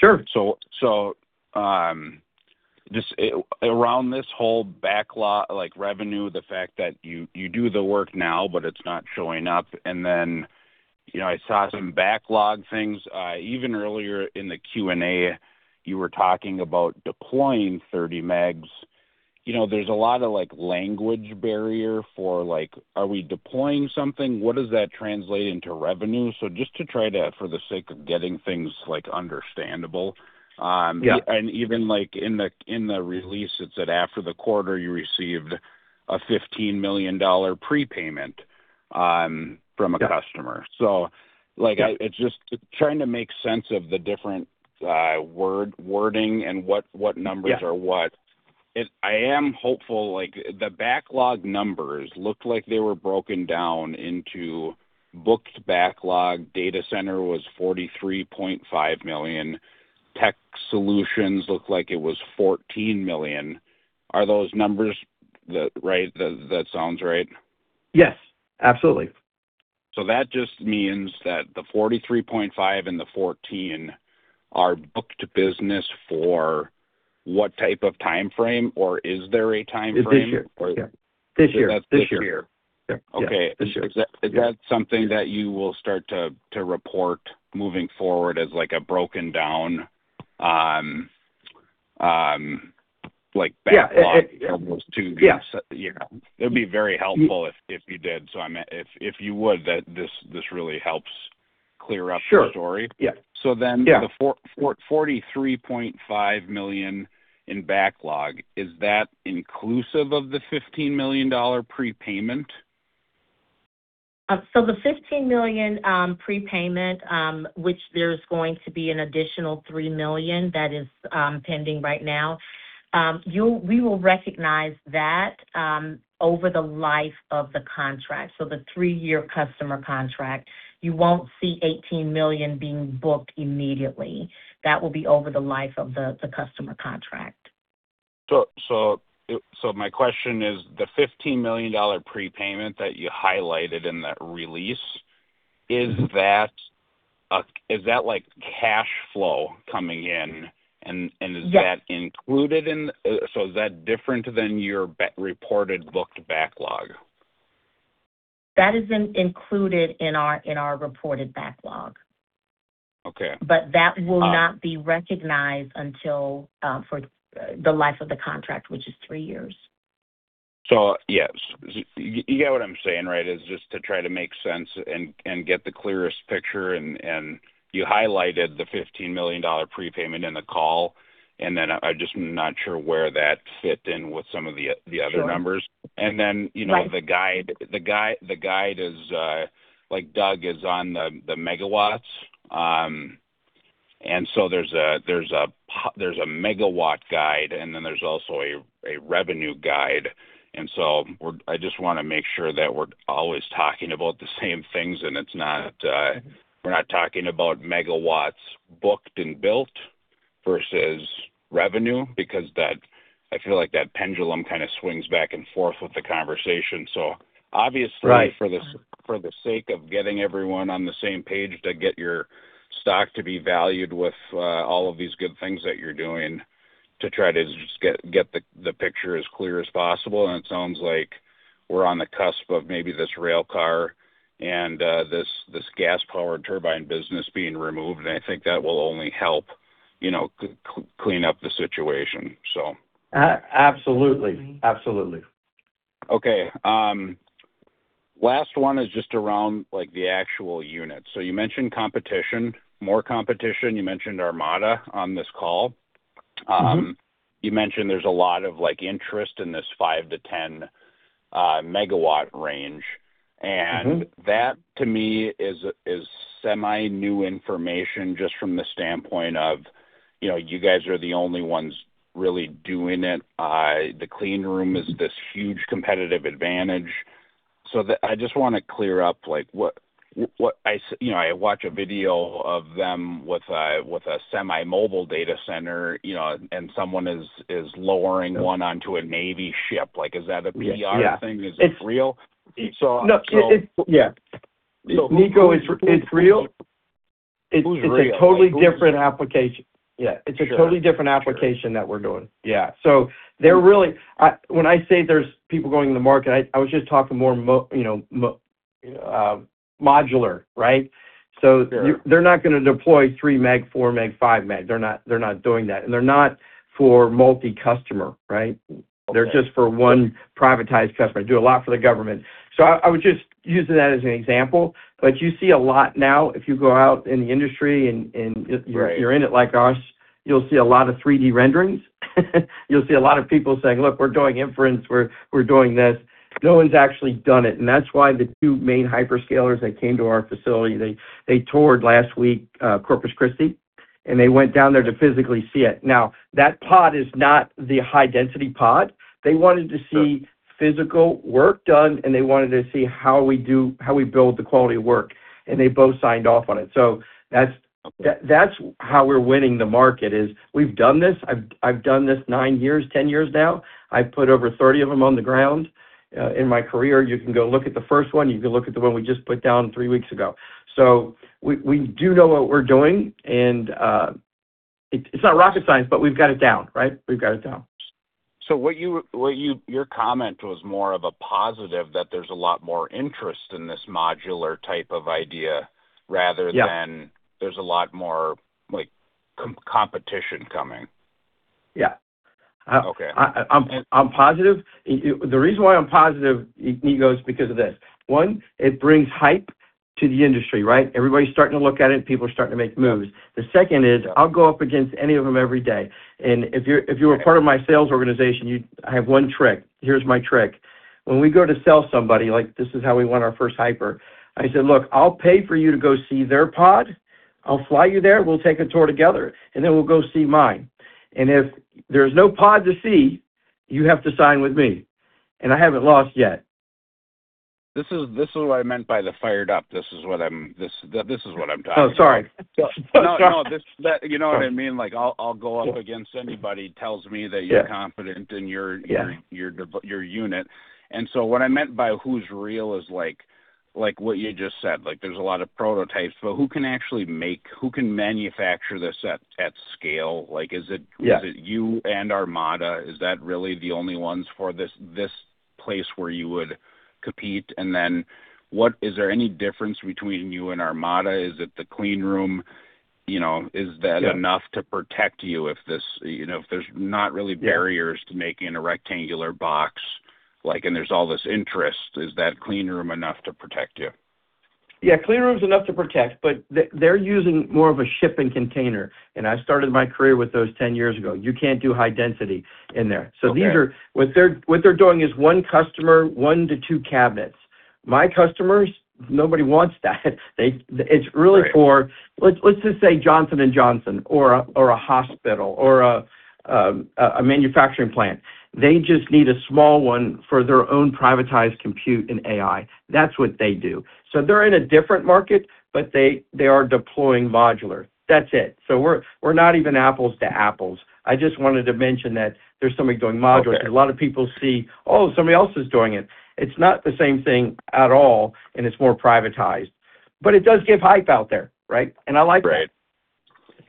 Sure. Around this whole backlog, like revenue, the fact that you do the work now, but it's not showing up. Then, you know, I saw some backlog things. Even earlier in the Q&A, you were talking about deploying 30 MW. You know, there's a lot of, like, language barrier for, like, are we deploying something? What does that translate into revenue? Just to try to, for the sake of getting things, like, understandable. Yeah Even, like, in the, in the release, it said after the quarter, you received a $15 million prepayment from a customer. Yeah. like, Yeah It's just trying to make sense of the different, word-wording and what numbers are what. Yeah. I am hopeful, like, the backlog numbers looked like they were broken down into booked backlog. Data center was $43.5 million. Tech solutions looked like it was $14 million. Are those numbers right? That sounds right? Yes, absolutely. That just means that the $43.5 million and the $14 million are booked business for what type of timeframe, or is there a timeframe? This year. Yeah. Or- This year. That's this year. This year. Yeah. Yeah. Okay. This year. Yeah. Is that something that you will start to report moving forward as, like, a broken down, like, backlog from those two views? Yeah. Yeah. Yeah. It'd be very helpful if you did. If you would, this really helps clear up the story. Sure. Yeah. So then- Yeah The $43.5 million in backlog, is that inclusive of the $15 million prepayment? The $15 million prepayment, which there's going to be an additional $3 million that is pending right now, we will recognize that over the life of the contract, so the three-year customer contract. You won't see $18 million being booked immediately. That will be over the life of the customer contract. My question is, the $15 million prepayment that you highlighted in that release, is that like cash flow coming in, and is that? Yes included in Is that different than your reported booked backlog? That isn't included in our reported backlog. Okay. That will not be recognized until for the life of the contract, which is three years. Yes. You get what I'm saying, right? Is just to try to make sense and get the clearest picture and you highlighted the $15 million prepayment in the call, and then I'm just not sure where that fit in with some of the other numbers. Sure. Then, you know. Right The guide is, like Doug, is on the megawatts. There's a megawatt guide, and then there's also a revenue guide. I just want to make sure that we're always talking about the same things, and it's not. we're not talking about megawatts booked and built versus revenue because that, I feel like that pendulum kind of swings back and forth with the conversation. Right for the sake of getting everyone on the same page to get your stock to be valued with all of these good things that you're doing. To try to just get the picture as clear as possible. It sounds like we're on the cusp of maybe this rail car and this gas-powered turbine business being removed, and I think that will only help, you know, clean up the situation, so. Absolutely. Absolutely. Okay. Last one is just around, like, the actual unit. You mentioned competition, more competition. You mentioned Armada on this call. You mentioned there's a lot of interest in this 5 MW-10 MW range. That to me is semi-new information just from the standpoint of, you know, you guys are the only ones really doing it. The clean room is this huge competitive advantage. I just wanna clear up, like, what I you know, I watch a video of them with a, with a semi-mobile data center, you know, and someone is lowering one onto a Navy ship. Like, is that a PR thing? Yes. Yeah. Is it real? It's- So, so- No, it. Yeah. Who? Nico, it's real. Who's real? Like, who is real? It's a totally different application. Yeah. Sure. Sure. It's a totally different application that we're doing. Yeah. When I say there's people going in the market, I was just talking more you know, modular, right? Sure. They're not gonna deploy 3 MW, 4 MW, 5 MW. They're not doing that, and they're not for multi-customer, right? Okay. They're just for one privatized customer. Do a lot for the government. I was just using that as an example, but you see a lot now, if you go out in the industry and you're in it like us. Right. You'll see a lot of 3D renderings. You'll see a lot of people saying, "Look, we're doing inference. We're doing this." That's why the 2 main hyperscalers that came to our facility, they toured last week, Corpus Christi, and they went down there to physically see it. Now, that pod is not the high-density pod. Sure. They wanted to see physical work done. They wanted to see how we build the quality of work. They both signed off on it. Okay That's how we're winning the market, is we've done this. I've done this nine years, 10 years now. I've put over 30 of them on the ground in my career. You can go look at the first one. You can look at the one we just put down three weeks ago. We do know what we're doing, and it's not rocket science, but we've got it down, right? We've got it down. Your comment was more of a positive that there's a lot more interest in this modular type of idea rather than. Yeah there's a lot more, like, competition coming. Yeah. Okay. I'm positive. The reason why I'm positive, Nico, is because of this. One, it brings hype to the industry, right? Everybody's starting to look at it, and people are starting to make moves. The second is I'll go up against any of them every day, and if you were part of my sales organization, you I have one trick. Here's my trick. When we go to sell somebody, like this is how we won our first hyper, I said, "Look, I'll pay for you to go see their pod. I'll fly you there. We'll take a tour together, and then we'll go see mine. If there's no pod to see, you have to sign with me." I haven't lost yet. This is what I meant by the fired up. This is what I'm talking about. Oh, sorry. No, this You know what I mean? Like, I'll go up against anybody who tells me that you're confident in your. Yeah your unit. What I meant by who's real is, like, what you just said. There's a lot of prototypes, but who can actually make who can manufacture this at scale? Yeah Is it you and Armada? Is that really the only ones for this place where you would compete? Is there any difference between you and Armada? Is it the clean room? You know, is that enough? Yeah to protect you if this. You know, if there's not really barriers. Yeah to making a rectangular box, like. There's all this interest. Is that clean room enough to protect you? Yeah, clean room's enough to protect, but they're using more of a shipping container, and I started my career with those 10 years ago. You can't do high density in there. Okay. What they're doing is one customer, one to two cabinets. My customers, nobody wants that. Right Let's just say Johnson & Johnson or a hospital or a manufacturing plant. They just need a small one for their own privatized compute and AI. That's what they do. They're in a different market, but they are deploying modular. That's it. We're not even apples to apples. I just wanted to mention that there's somebody doing modular. Okay. A lot of people see somebody else is doing it. It's not the same thing at all, and it's more privatized. It does give hype out there, right? I like that. Right.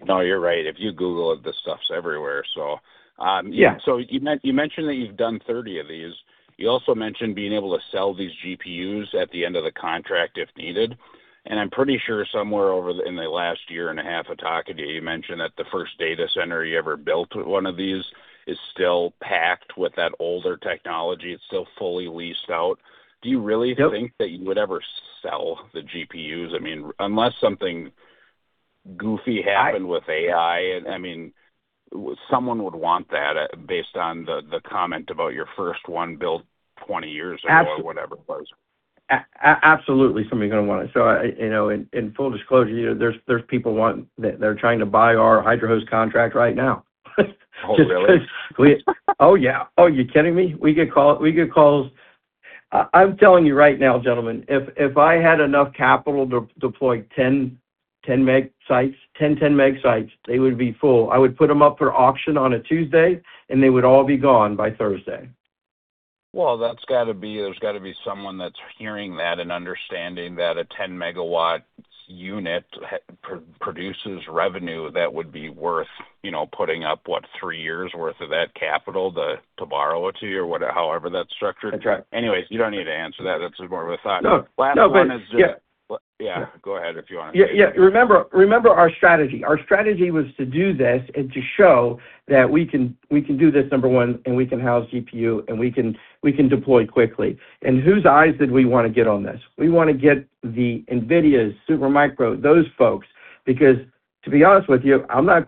No, you're right. If you Google it, this stuff's everywhere, so. Yeah You mentioned that you've done 30 of these. You also mentioned being able to sell these GPUs at the end of the contract if needed, and I'm pretty sure somewhere over the last year and a half of talking to you mentioned that the first data center you ever built with one of these is still packed with that older technology. It's still fully leased out. Do you really think? Yep that you would ever sell the GPUs? I mean, unless something goofy happened with AI. I mean, someone would want that, based on the comment about your first one built 20 years ago. Abso- or whatever it was. Absolutely somebody's gonna want it. You know, in full disclosure, you know, there's people wanting, they're trying to buy our Hydra Host contract right now. Oh, really? Oh, yeah. Are you kidding me? We get calls. I'm telling you right now, gentlemen, if I had enough capital to deploy 10 MW sites, they would be full. I would put them up for auction on a Tuesday. They would all be gone by Thursday. Well, there's gotta be someone that's hearing that and understanding that a 10 MW unit produces revenue that would be worth, you know, putting up, what, three years worth of that capital to borrow it to you, however that's structured. That's right. Anyways, you don't need to answer that. That's more of a thought. No, no. Last one is. Yeah. Yeah, go ahead if you want. Yeah. Remember our strategy. Our strategy was to do this and to show that we can do this, number one, and we can house GPU, and we can deploy quickly. Whose eyes did we wanna get on this? We wanna get the NVIDIA, Supermicro, those folks. To be honest with you, I don't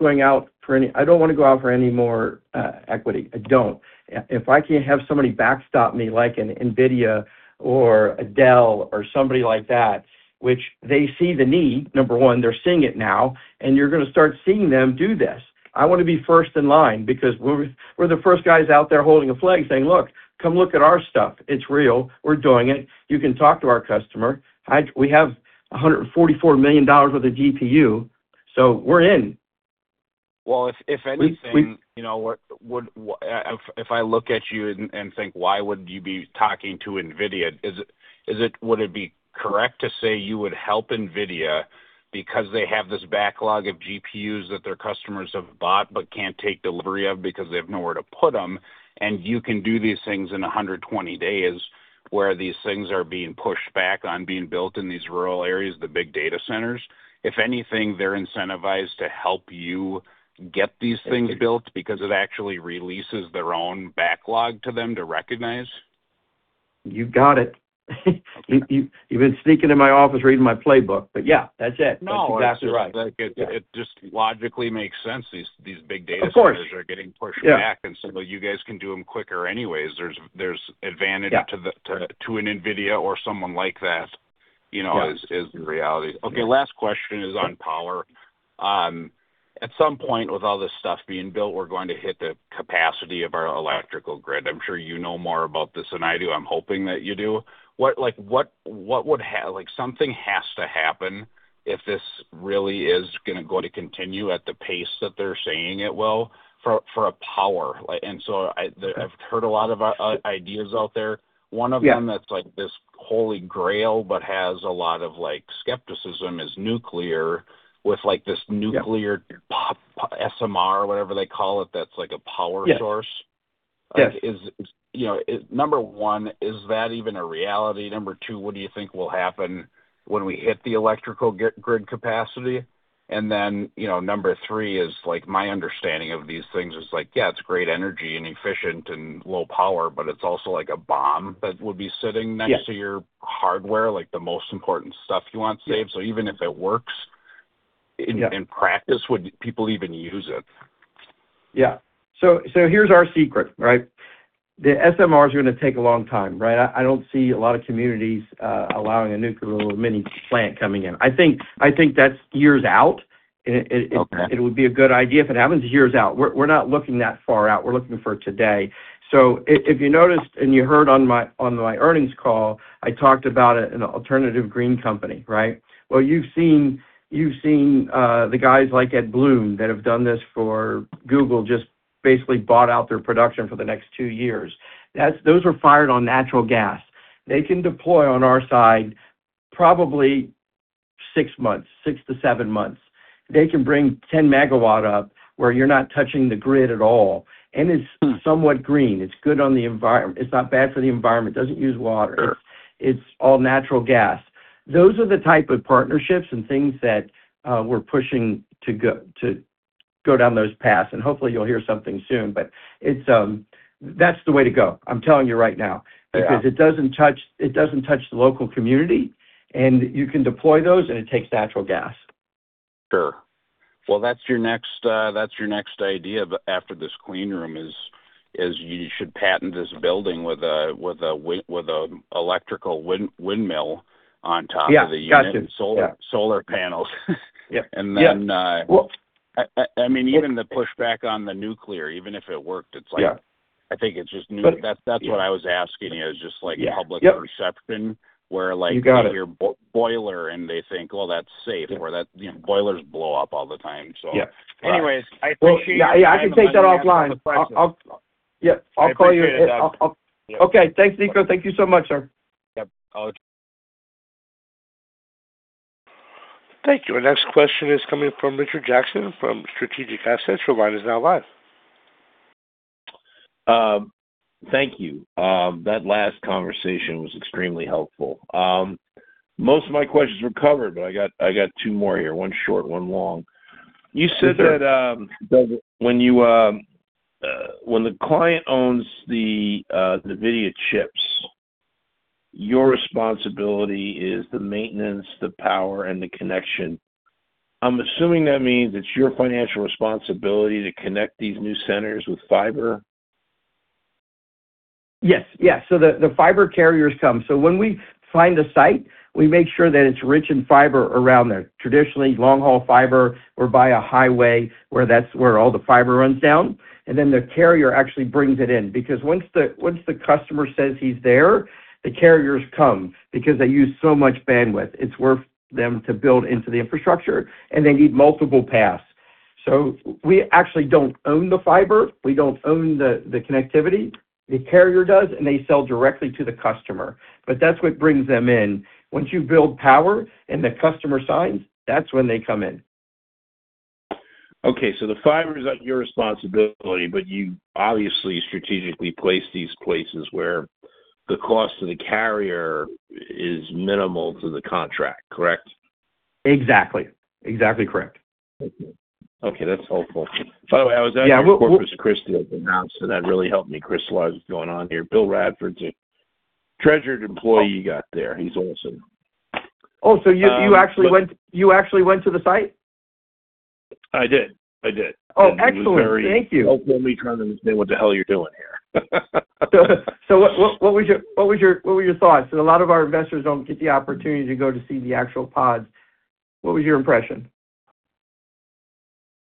wanna go out for any more equity. I don't. If I can have somebody backstop me like an NVIDIA or a Dell or somebody like that, which they see the need, number one, they're seeing it now, and you're gonna start seeing them do this. I wanna be first in line because we're the first guys out there holding a flag saying, "Look, come look at our stuff. It's real. We're doing it. You can talk to our customer. We have $144 million worth of GPU, so we're in. Well, if. We You know, what would if I look at you and think, why would you be talking to NVIDIA? Would it be correct to say you would help NVIDIA because they have this backlog of GPUs that their customers have bought but can't take delivery of because they have nowhere to put them, and you can do these things in 120 days, where these things are being pushed back on being built in these rural areas, the big data centers? If anything, they're incentivized to help you get these things built because it actually releases their own backlog to them to recognize. You got it. You've been sneaking in my office reading my playbook. Yeah, that's it. That's exactly right. No, it's like, it just logically makes sense. These big data centers- Of course. are getting pushed back. Yeah. You guys can do them quicker anyways. There's. Yeah to an NVIDIA or someone like that, you know. Yeah Is the reality. Yeah. Last question is on power. At some point, with all this stuff being built, we're going to hit the capacity of our electrical grid. I'm sure you know more about this than I do. I'm hoping that you do. What, like, something has to happen if this really is gonna go to continue at the pace that they're saying it will for a power. Like, I've heard a lot of ideas out there. Yeah. One of them that's like this holy grail but has a lot of, like, skepticism is nuclear. Yeah SMR, whatever they call it, that's like a power source. Yes. Yes. You know, is Number one, is that even a reality? Number two, what do you think will happen when we hit the electrical grid capacity? Then, you know, number three is, like, my understanding of these things is like, yeah, it's great energy and efficient and low power, but it's also like a bomb that would be sitting next. Yes to your hardware, like the most important stuff you want saved. Yeah. Even if it works. Yeah In practice, would people even use it? Yeah. Here's our secret, right? The SMRs are gonna take a long time, right? I don't see a lot of communities allowing a nuclear or mini plant coming in. I think that's years out. Okay It would be a good idea if it happens years out. We're not looking that far out. We're looking for today. If you noticed and you heard on my earnings call, I talked about an alternative green company, right? You've seen the guys like at Bloom that have done this for Google, just basically bought out their production for the next two years. Those were fired on natural gas. They can deploy on our side probably six months, six to seven months. They can bring 10 MW up where you're not touching the grid at all, and it's somewhat green. It's good on the environment. It's not bad for the environment. Doesn't use water. It's all natural gas. Those are the type of partnerships and things that we're pushing to go down those paths, and hopefully you'll hear something soon. That's the way to go, I'm telling you right now. Yeah. It doesn't touch the local community, and you can deploy those, and it takes natural gas. Sure. Well, that's your next idea after this clean room is you should patent this building with a, with a electrical windmill on top of the unit. Yeah, gotcha. Solar, solar panels. Yeah, yeah. And then, uh- Well- I mean, even the pushback on the nuclear, even if it worked. Yeah I think it's just new. But- That's what I was asking you is just like public perception. Yeah. Yep. where like- You got it. You hear boiler and they think, well, that's safe. Yeah. You know, boilers blow up all the time. Yeah. Anyways, I appreciate you- Well, yeah. I can take that offline. for the questions. I'll, Yeah, I'll call you. I appreciate it. Yeah. Okay. Thanks, Nico. Thank you so much, sir. Yep. Thank you. Our next question is coming from Rick Jackson from Strategic Assets. Your line is now live. Thank you. That last conversation was extremely helpful. Most of my questions were covered, but I got two more here, one short, one long. Okay. You said that when the client owns the NVIDIA chips, your responsibility is the maintenance, the power, and the connection. I'm assuming that means it's your financial responsibility to connect these new centers with fiber? Yes, yes. The, the fiber carriers come. When we find a site, we make sure that it's rich in fiber around there. Traditionally, long-haul fiber, we're by a highway where that's where all the fiber runs down, and then the carrier actually brings it in. Because once the, once the customer says he's there, the carriers come because they use so much bandwidth. It's worth them to build into the infrastructure, and they need multiple paths. We actually don't own the fiber. We don't own the connectivity. The carrier does, and they sell directly to the customer. That's what brings them in. Once you build power and the customer signs, that's when they come in. Okay. The fiber's not your responsibility, but you obviously strategically place these places where the cost to the carrier is minimal to the contract. Correct? Exactly. Exactly correct. Thank you. Okay, that's helpful. By the way, I was out in Corpus Christi at the announce, and that really helped me crystallize what's going on here. Bill Radford's a treasured employee you got there. He's awesome. Oh, you actually went to the site? I did. I did. Oh, excellent. Thank you. He was very helpful in me trying to understand what the hell you're doing here. What was your, what were your thoughts? A lot of our investors don't get the opportunity to go to see the actual pods. What was your impression?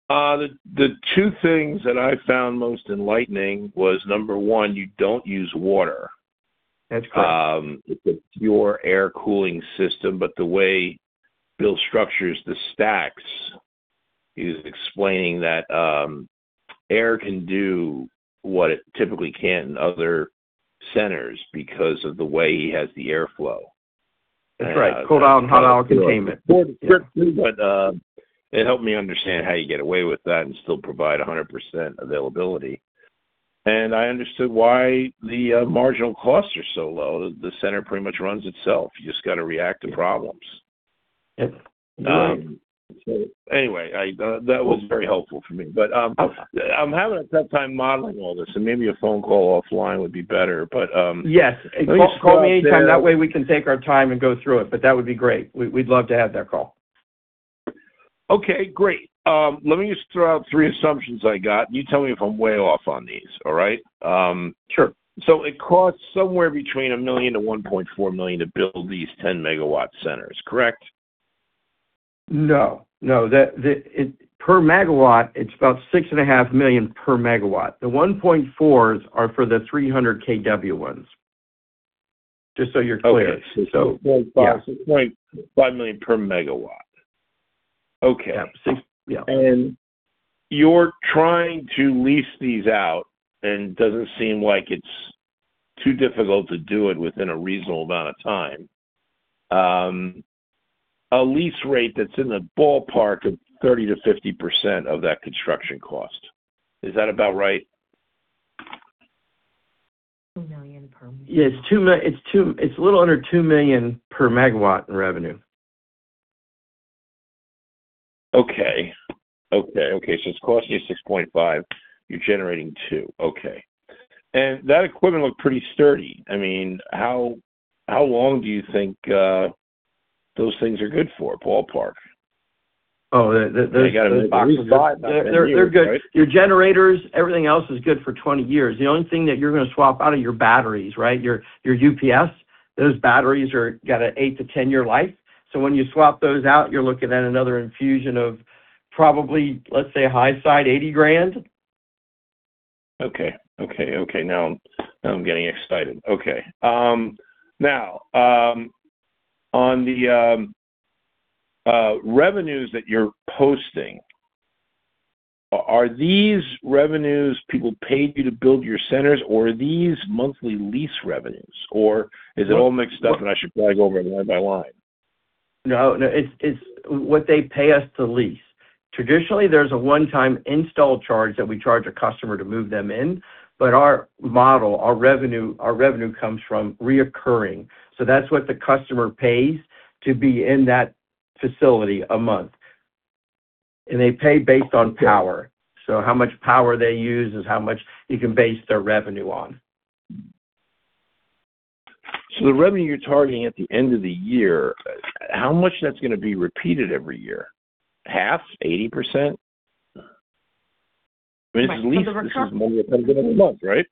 The two things that I found most enlightening was, number one, you don't use water. That's correct. It's a pure air cooling system, but the way Bill structures the stacks, he was explaining that, air can do what it typically can't in other centers because of the way he has the airflow. That helped. That's right. Cold aisle and hot aisle containment. sure. It helped me understand how you get away with that and still provide 100% availability. I understood why the marginal costs are so low. The center pretty much runs itself. You just gotta react to problems. Yep. Anyway, I, that was very helpful for me. I'm having a tough time modeling all this, and maybe a phone call offline would be better. Let me just throw out there. Yes. Call me anytime. That way we can take our time and go through it. That would be great. We'd love to have that call. Okay, great. Let me just throw out three assumptions I got. You tell me if I'm way off on these. All right? Sure It costs somewhere between $1 million-$1.4 million to build these 10 MW centers, correct? No. No. The Per megawatt, it's about $6.5 million per megawatt The 1.4s are for the 300 kW ones. Just so you're clear. Okay. Yeah. It's $0.5 million per MW. Okay. Yeah. $6 million MW. Yeah. You're trying to lease these out, and doesn't seem like it's too difficult to do it within a reasonable amount of time. A lease rate that's in the ballpark of 30%-50% of that construction cost. Is that about right? $2 million per MW. Yeah. It's a little under $2 million per megawatt in revenue. Okay. Okay. Okay. It's costing you $6.5 million per megawatt, you're generating $2 million per megawatt. Okay. That equipment looked pretty sturdy. I mean, how long do you think those things are good for, ballpark? Oh, the, the- They got a box that says about 10 years, right? They're good. Your generators, everything else is good for 20 years. The only thing that you're gonna swap out are your batteries, right? Your UPS, those batteries are got a eight to 10 year life. When you swap those out, you're looking at another infusion of probably, let's say, high side, $80,000. Okay. Now I'm getting excited. Okay. Now on the revenues that you're posting, are these revenues people paid you to build your centers, or are these monthly lease revenues? Is it all mixed up and I should probably go over them line by line? No, no. It's what they pay us to lease. Traditionally, there's a one-time install charge that we charge a customer to move them in, our model, our revenue comes from recurring. That's what the customer pays to be in that facility a month. They pay based on power. How much power they use is how much you can base their revenue on. The revenue you're targeting at the end of the year, how much that's gonna be repeated every year? Half? 80%? I mean, it's a lease. Right. The recurring This is money that comes in every month, right?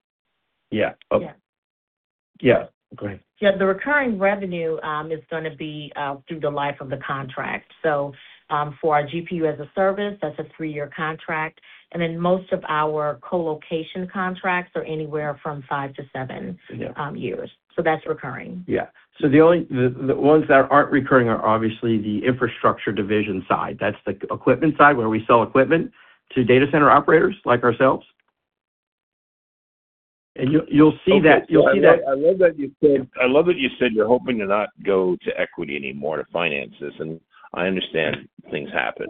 Yeah. Yeah. Yeah. Go ahead. Yeah. The recurring revenue is gonna be through the life of the contract. For our GPU-as-a-service, that's a three-year contract. Most of our co-location contracts are anywhere from five to seven. Yeah years. That's recurring. Yeah. The only ones that aren't recurring are obviously the infrastructure division side. That's the equipment side where we sell equipment to data center operators like ourselves. You'll see that. Okay. I love that you said you're hoping to not go to equity anymore to finance this, and I understand things happen.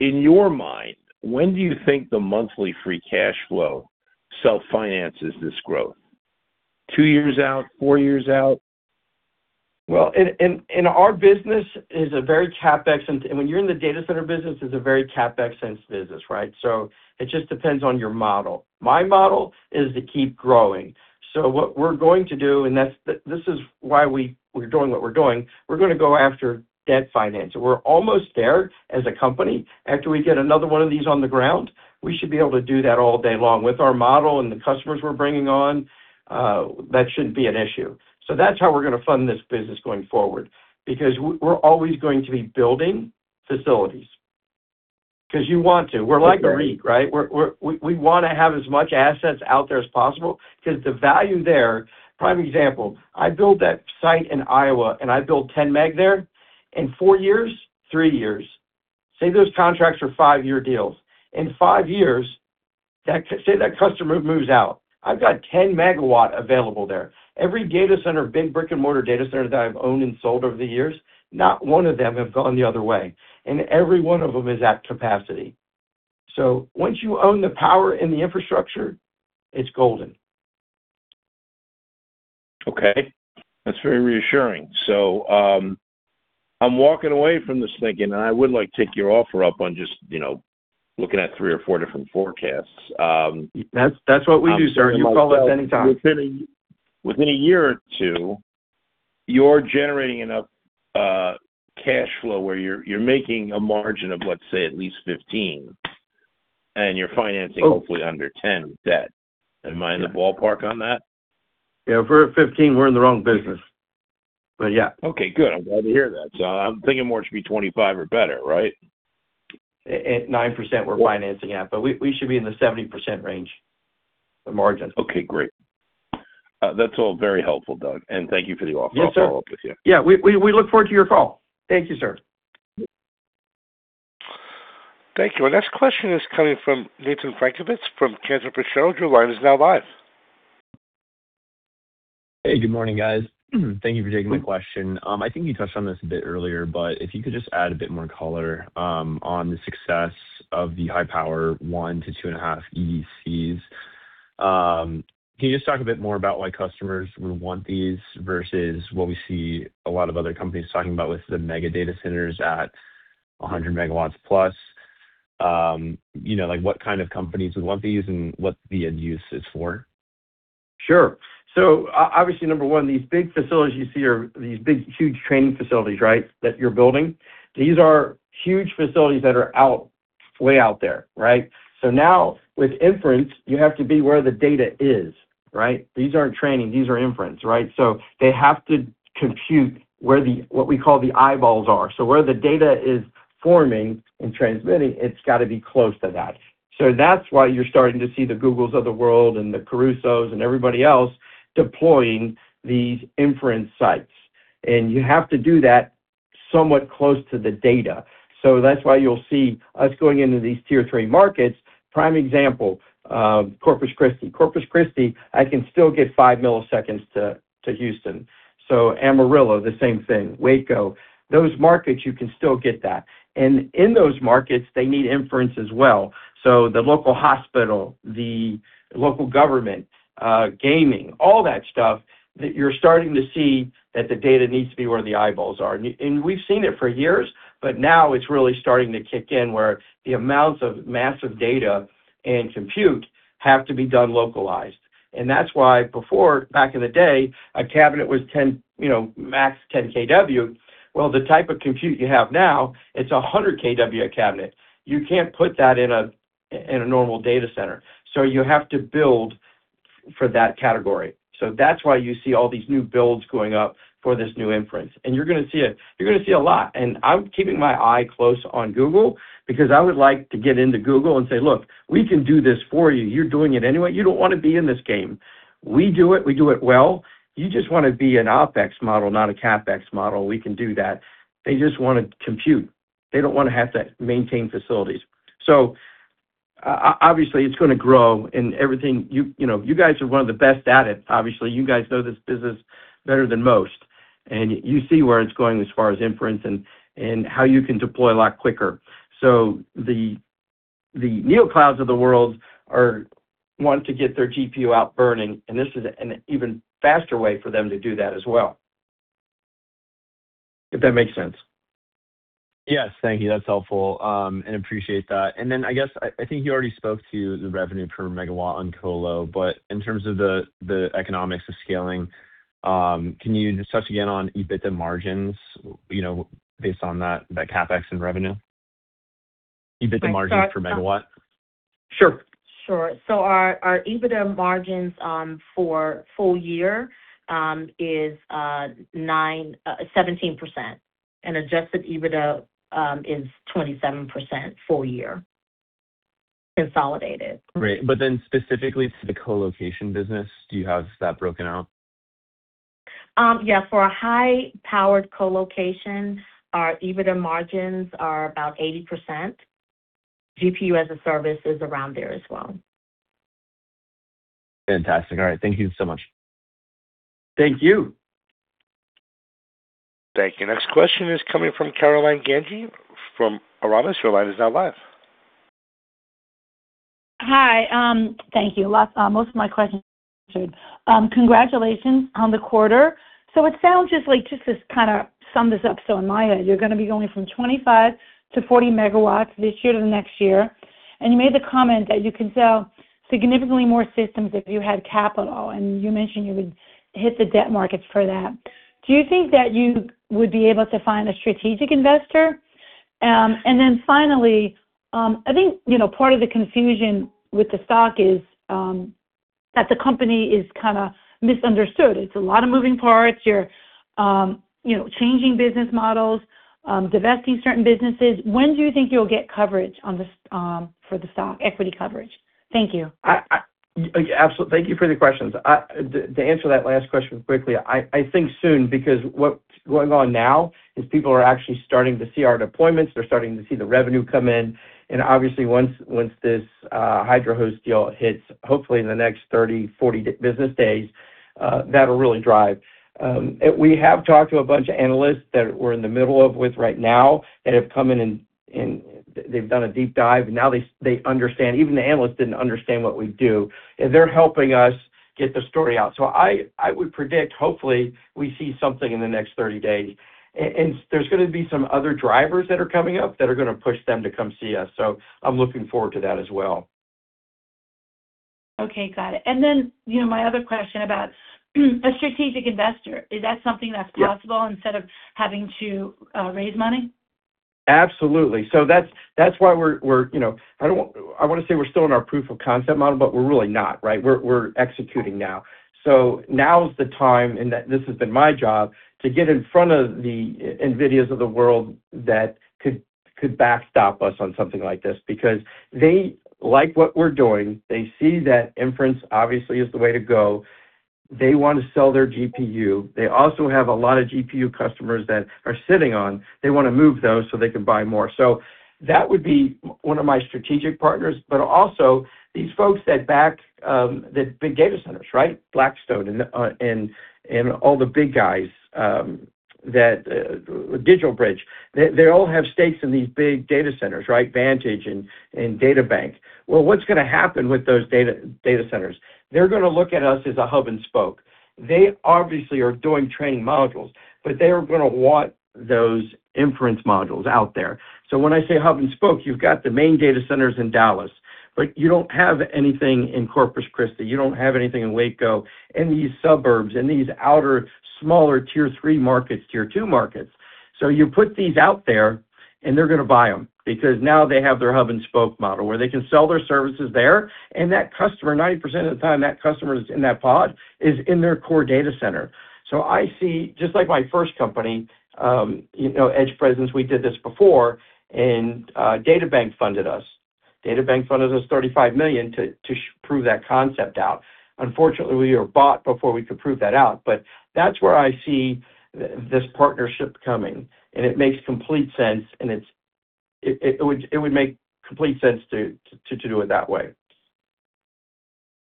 In your mind, when do you think the monthly free cash flow self-finances this growth? Two years out? Four years out? In our business is a very CapEx. When you're in the data center business, it's a very CapEx-intensive business, right? It just depends on your model. My model is to keep growing. What we're going to do, this is why we're doing what we're doing, we're gonna go after debt financing. We're almost there as a company. After we get another one of these on the ground, we should be able to do that all day long. With our model and the customers we're bringing on, that shouldn't be an issue. That's how we're gonna fund this business going forward because we're always going to be building facilities. 'Cause you want to. We're like the REIT, right? We want to have as much assets out there as possible, because the value there. Prime example, I build that site in Iowa and I build 10 MW there. In four years, three years, say those contracts are five-year deals. In five years, that customer moves out. I've got 10 MW available there. Every data center, big brick-and-mortar data center that I've owned and sold over the years, not one of them have gone the other way, and every one of them is at capacity. Once you own the power and the infrastructure, it's golden. Okay. That's very reassuring. I'm walking away from this thinking, and I would like to take your offer up on just, you know, looking at three or four different forecasts. That's what we do, sir. You call us anytime. I'm thinking to myself, within a year or two, you're generating enough cash flow where you're making a margin of, let's say, at least 15%, and you're financing. Oh hopefully under 10 with debt. Am I in the ballpark on that? Yeah, if we're at 15, we're in the wrong business. But yeah. Okay, good. I'm glad to hear that. I'm thinking more it should be 25 or better, right? At 9%, we're financing at. We should be in the 70% range of margins. Okay, great. That's all very helpful, Doug, and thank you for the offer. Yes, sir. I'll follow up with you. Yeah. We look forward to your call. Thank you, sir. Thank you. Our next question is coming from Nathan Frankovitz from Cantor Fitzgerald. Your line is now live. Hey. Good morning, guys. Thank you for taking my question. I think you touched on this a bit earlier, but if you could just add a bit more color on the success of the high power 1 to 2.5 EDCs. Can you just talk a bit more about why customers would want these versus what we see a lot of other companies talking about with the mega data centers at 100 MW+? You know, like, what kind of companies would want these and what the end use is for? Sure. Obviously, number one, these big facilities you see are these big, huge training facilities, right? That you're building. These are huge facilities that are out, way out there, right? Now with inference, you have to be where the data is, right? These aren't training, these are inference, right? They have to compute where the, what we call the eyeballs are. Where the data is forming and transmitting, it's gotta be close to that. That's why you're starting to see the Googles of the world and the CoreWeave and everybody else deploying these inference sites. You have to do that somewhat close to the data. That's why you'll see us going into these Tier three markets. Prime example, Corpus Christi. Corpus Christi, I can still get 5 milliseconds to Houston. Amarillo, the same thing. Waco. Those markets, you can still get that. In those markets, they need inference as well. The local hospital, the local government, gaming, all that stuff that you're starting to see that the data needs to be where the eyeballs are. We've seen it for years, but now it's really starting to kick in, where the amounts of massive data and compute have to be done localized. That's why before, back in the day, a cabinet was 10, you know, max 10 kW. The type of compute you have now, it's 100 kW a cabinet. You can't put that in a normal data center. You have to build for that category. That's why you see all these new builds going up for this new inference. You're gonna see it. You're gonna see a lot. I'm keeping my eye close on Google because I would like to get into Google and say, "Look, we can do this for you. You're doing it anyway. You don't wanna be in this game. We do it, we do it well. You just wanna be an OpEx model, not a CapEx model. We can do that." They just wanna compute. They don't wanna have to maintain facilities. Obviously, it's gonna grow, and everything, you know, you guys are one of the best at it, obviously. You guys know this business better than most, and you see where it's going as far as inference and how you can deploy a lot quicker. The neocloud of the world are wanting to get their GPU out burning, and this is an even faster way for them to do that as well. If that makes sense. Yes. Thank you. That's helpful, and appreciate that. I guess, I think you already spoke to the revenue per megawatt on colo, but in terms of the economics of scaling, can you touch again on EBITDA margins, you know, based on that CapEx and revenue? EBITDA margin per megawatt. Sure. Sure. Our EBITDA margins, for full year, is 17%. Adjusted EBITDA, is 27% full year consolidated. Great. Specifically to the colocation business, do you have that broken out? Yeah. For a high-powered colocation, our EBITDA margins are about 80%. GPU-as-a-Service is around there as well. Fantastic. All right. Thank you so much. Thank you. Thank you. Next question is coming from Caroline Gengy from Rabois. Your line is now live. Hi. Thank you. Most of my questions have been answered. Congratulations on the quarter. It sounds just to kind of sum this up, in my head, you're gonna be going from 25 MW-40 MW this year to the next year. You made the comment that you can sell significantly more systems if you had capital, and you mentioned you would hit the debt markets for that. Do you think that you would be able to find a strategic investor? Then finally, I think, you know, part of the confusion with the stock is that the company is kind of misunderstood. It's a lot of moving parts. You're, you know, changing business models, divesting certain businesses. When do you think you'll get coverage on this for the stock, equity coverage? Thank you. Thank you for the questions. To answer that last question quickly, I think soon because what's going on now is people are actually starting to see our deployments. They're starting to see the revenue come in. Obviously once this Hydra Host deal hits, hopefully in the next 30, 40 business days, that'll really drive. We have talked to a bunch of analysts that we're in the middle of with right now that have come in and they've done a deep dive. Now they understand. Even the analysts didn't understand what we do, and they're helping us get the story out. I would predict, hopefully, we see something in the next 30 days. There's gonna be some other drivers that are coming up that are gonna push them to come see us. I'm looking forward to that as well. Okay, got it. Then, you know, my other question about a strategic investor. Is that something that's possible? Yeah. instead of having to raise money? Absolutely. That's why we're, you know I wanna say we're still in our proof of concept model, but we're really not, right? We're executing now. Now is the time, and that this has been my job, to get in front of the NVIDIA of the world that could backstop us on something like this because they like what we're doing. They see that inference obviously is the way to go. They want to sell their GPU. They also have a lot of GPU customers that are sitting on. They wanna move those so they can buy more. That would be one of my strategic partners, but also these folks that back the big data centers, right? Blackstone and all the big guys, that DigitalBridge. They all have stakes in these big data centers, right? Vantage and DataBank. What's gonna happen with those data centers? They're gonna look at us as a hub and spoke. They obviously are doing training modules, but they are gonna want those inference modules out there. When I say hub and spoke, you've got the main data centers in Dallas, but you don't have anything in Corpus Christi. You don't have anything in Waco, in these suburbs, in these outer, smaller Tier 3 markets, Tier 2 markets. You put these out there, and they're gonna buy them because now they have their hub and spoke model where they can sell their services there, and that customer, 90% of the time that customer's in that pod is in their core data center. I see, just like my first company, you know, EdgePresence, we did this before and DataBank funded us. DataBank funded us $35 million to prove that concept out. Unfortunately, we were bought before we could prove that out. That's where I see this partnership coming, and it makes complete sense, and it would make complete sense to do it that way.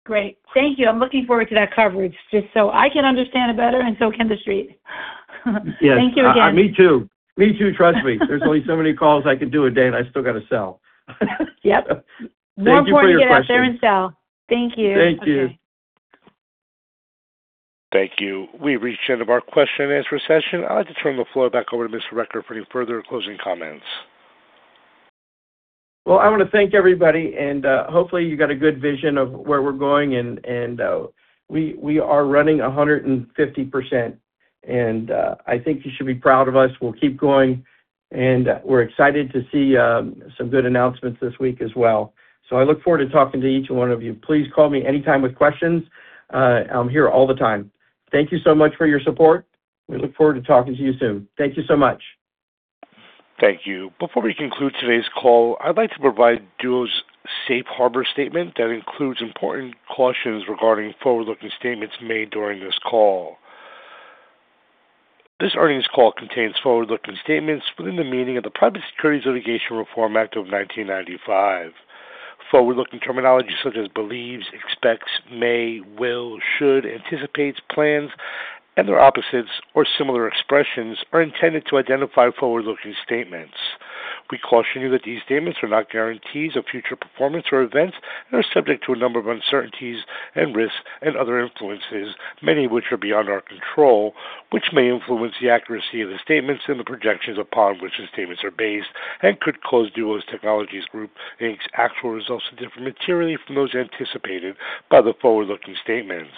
Great. Thank you. I'm looking forward to that coverage just so I can understand it better and so can the street. Yes. Thank you again. Me too. Me too, trust me. There's only so many calls I can do a day. I still gotta sell. Yep. Thank you for your question. More important to get out there and sell. Thank you. Thank you. Okay. Thank you. We've reached the end of our question-and-answer session. I'd like to turn the floor back over to Doug Recker for any further closing comments. I want to thank everybody, hopefully you got a good vision of where we're going and we are running 150%. I think you should be proud of us. We'll keep going, and we're excited to see some good announcements this week as well. I look forward to talking to each one of you. Please call me anytime with questions. I'm here all the time. Thank you so much for your support. We look forward to talking to you soon. Thank you so much. Thank you. Before we conclude today's call, I'd like to provide Duos' safe harbor statement that includes important cautions regarding forward-looking statements made during this call. This earnings call contains forward-looking statements within the meaning of the Private Securities Litigation Reform Act of 1995. Forward-looking terminology such as believes, expects, may, will, should, anticipates, plans, and their opposites or similar expressions are intended to identify forward-looking statements. We caution you that these statements are not guarantees of future performance or events and are subject to a number of uncertainties and risks and other influences, many of which are beyond our control, which may influence the accuracy of the statements and the projections upon which the statements are based and could cause Duos Technologies Group, Inc.'s actual results to differ materially from those anticipated by the forward-looking statements.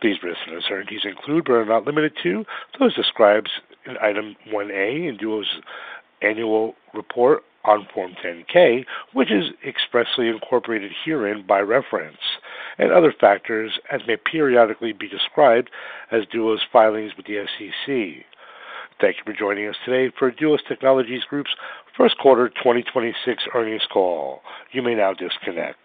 These risks and uncertainties include, but are not limited to, those described in Item 1A in Duos' annual report on Form 10-K, which is expressly incorporated herein by reference, and other factors as may periodically be described in Duos' filings with the SEC. Thank you for joining us today for Duos Technologies Group's first quarter 2026 earnings call. You may now disconnect.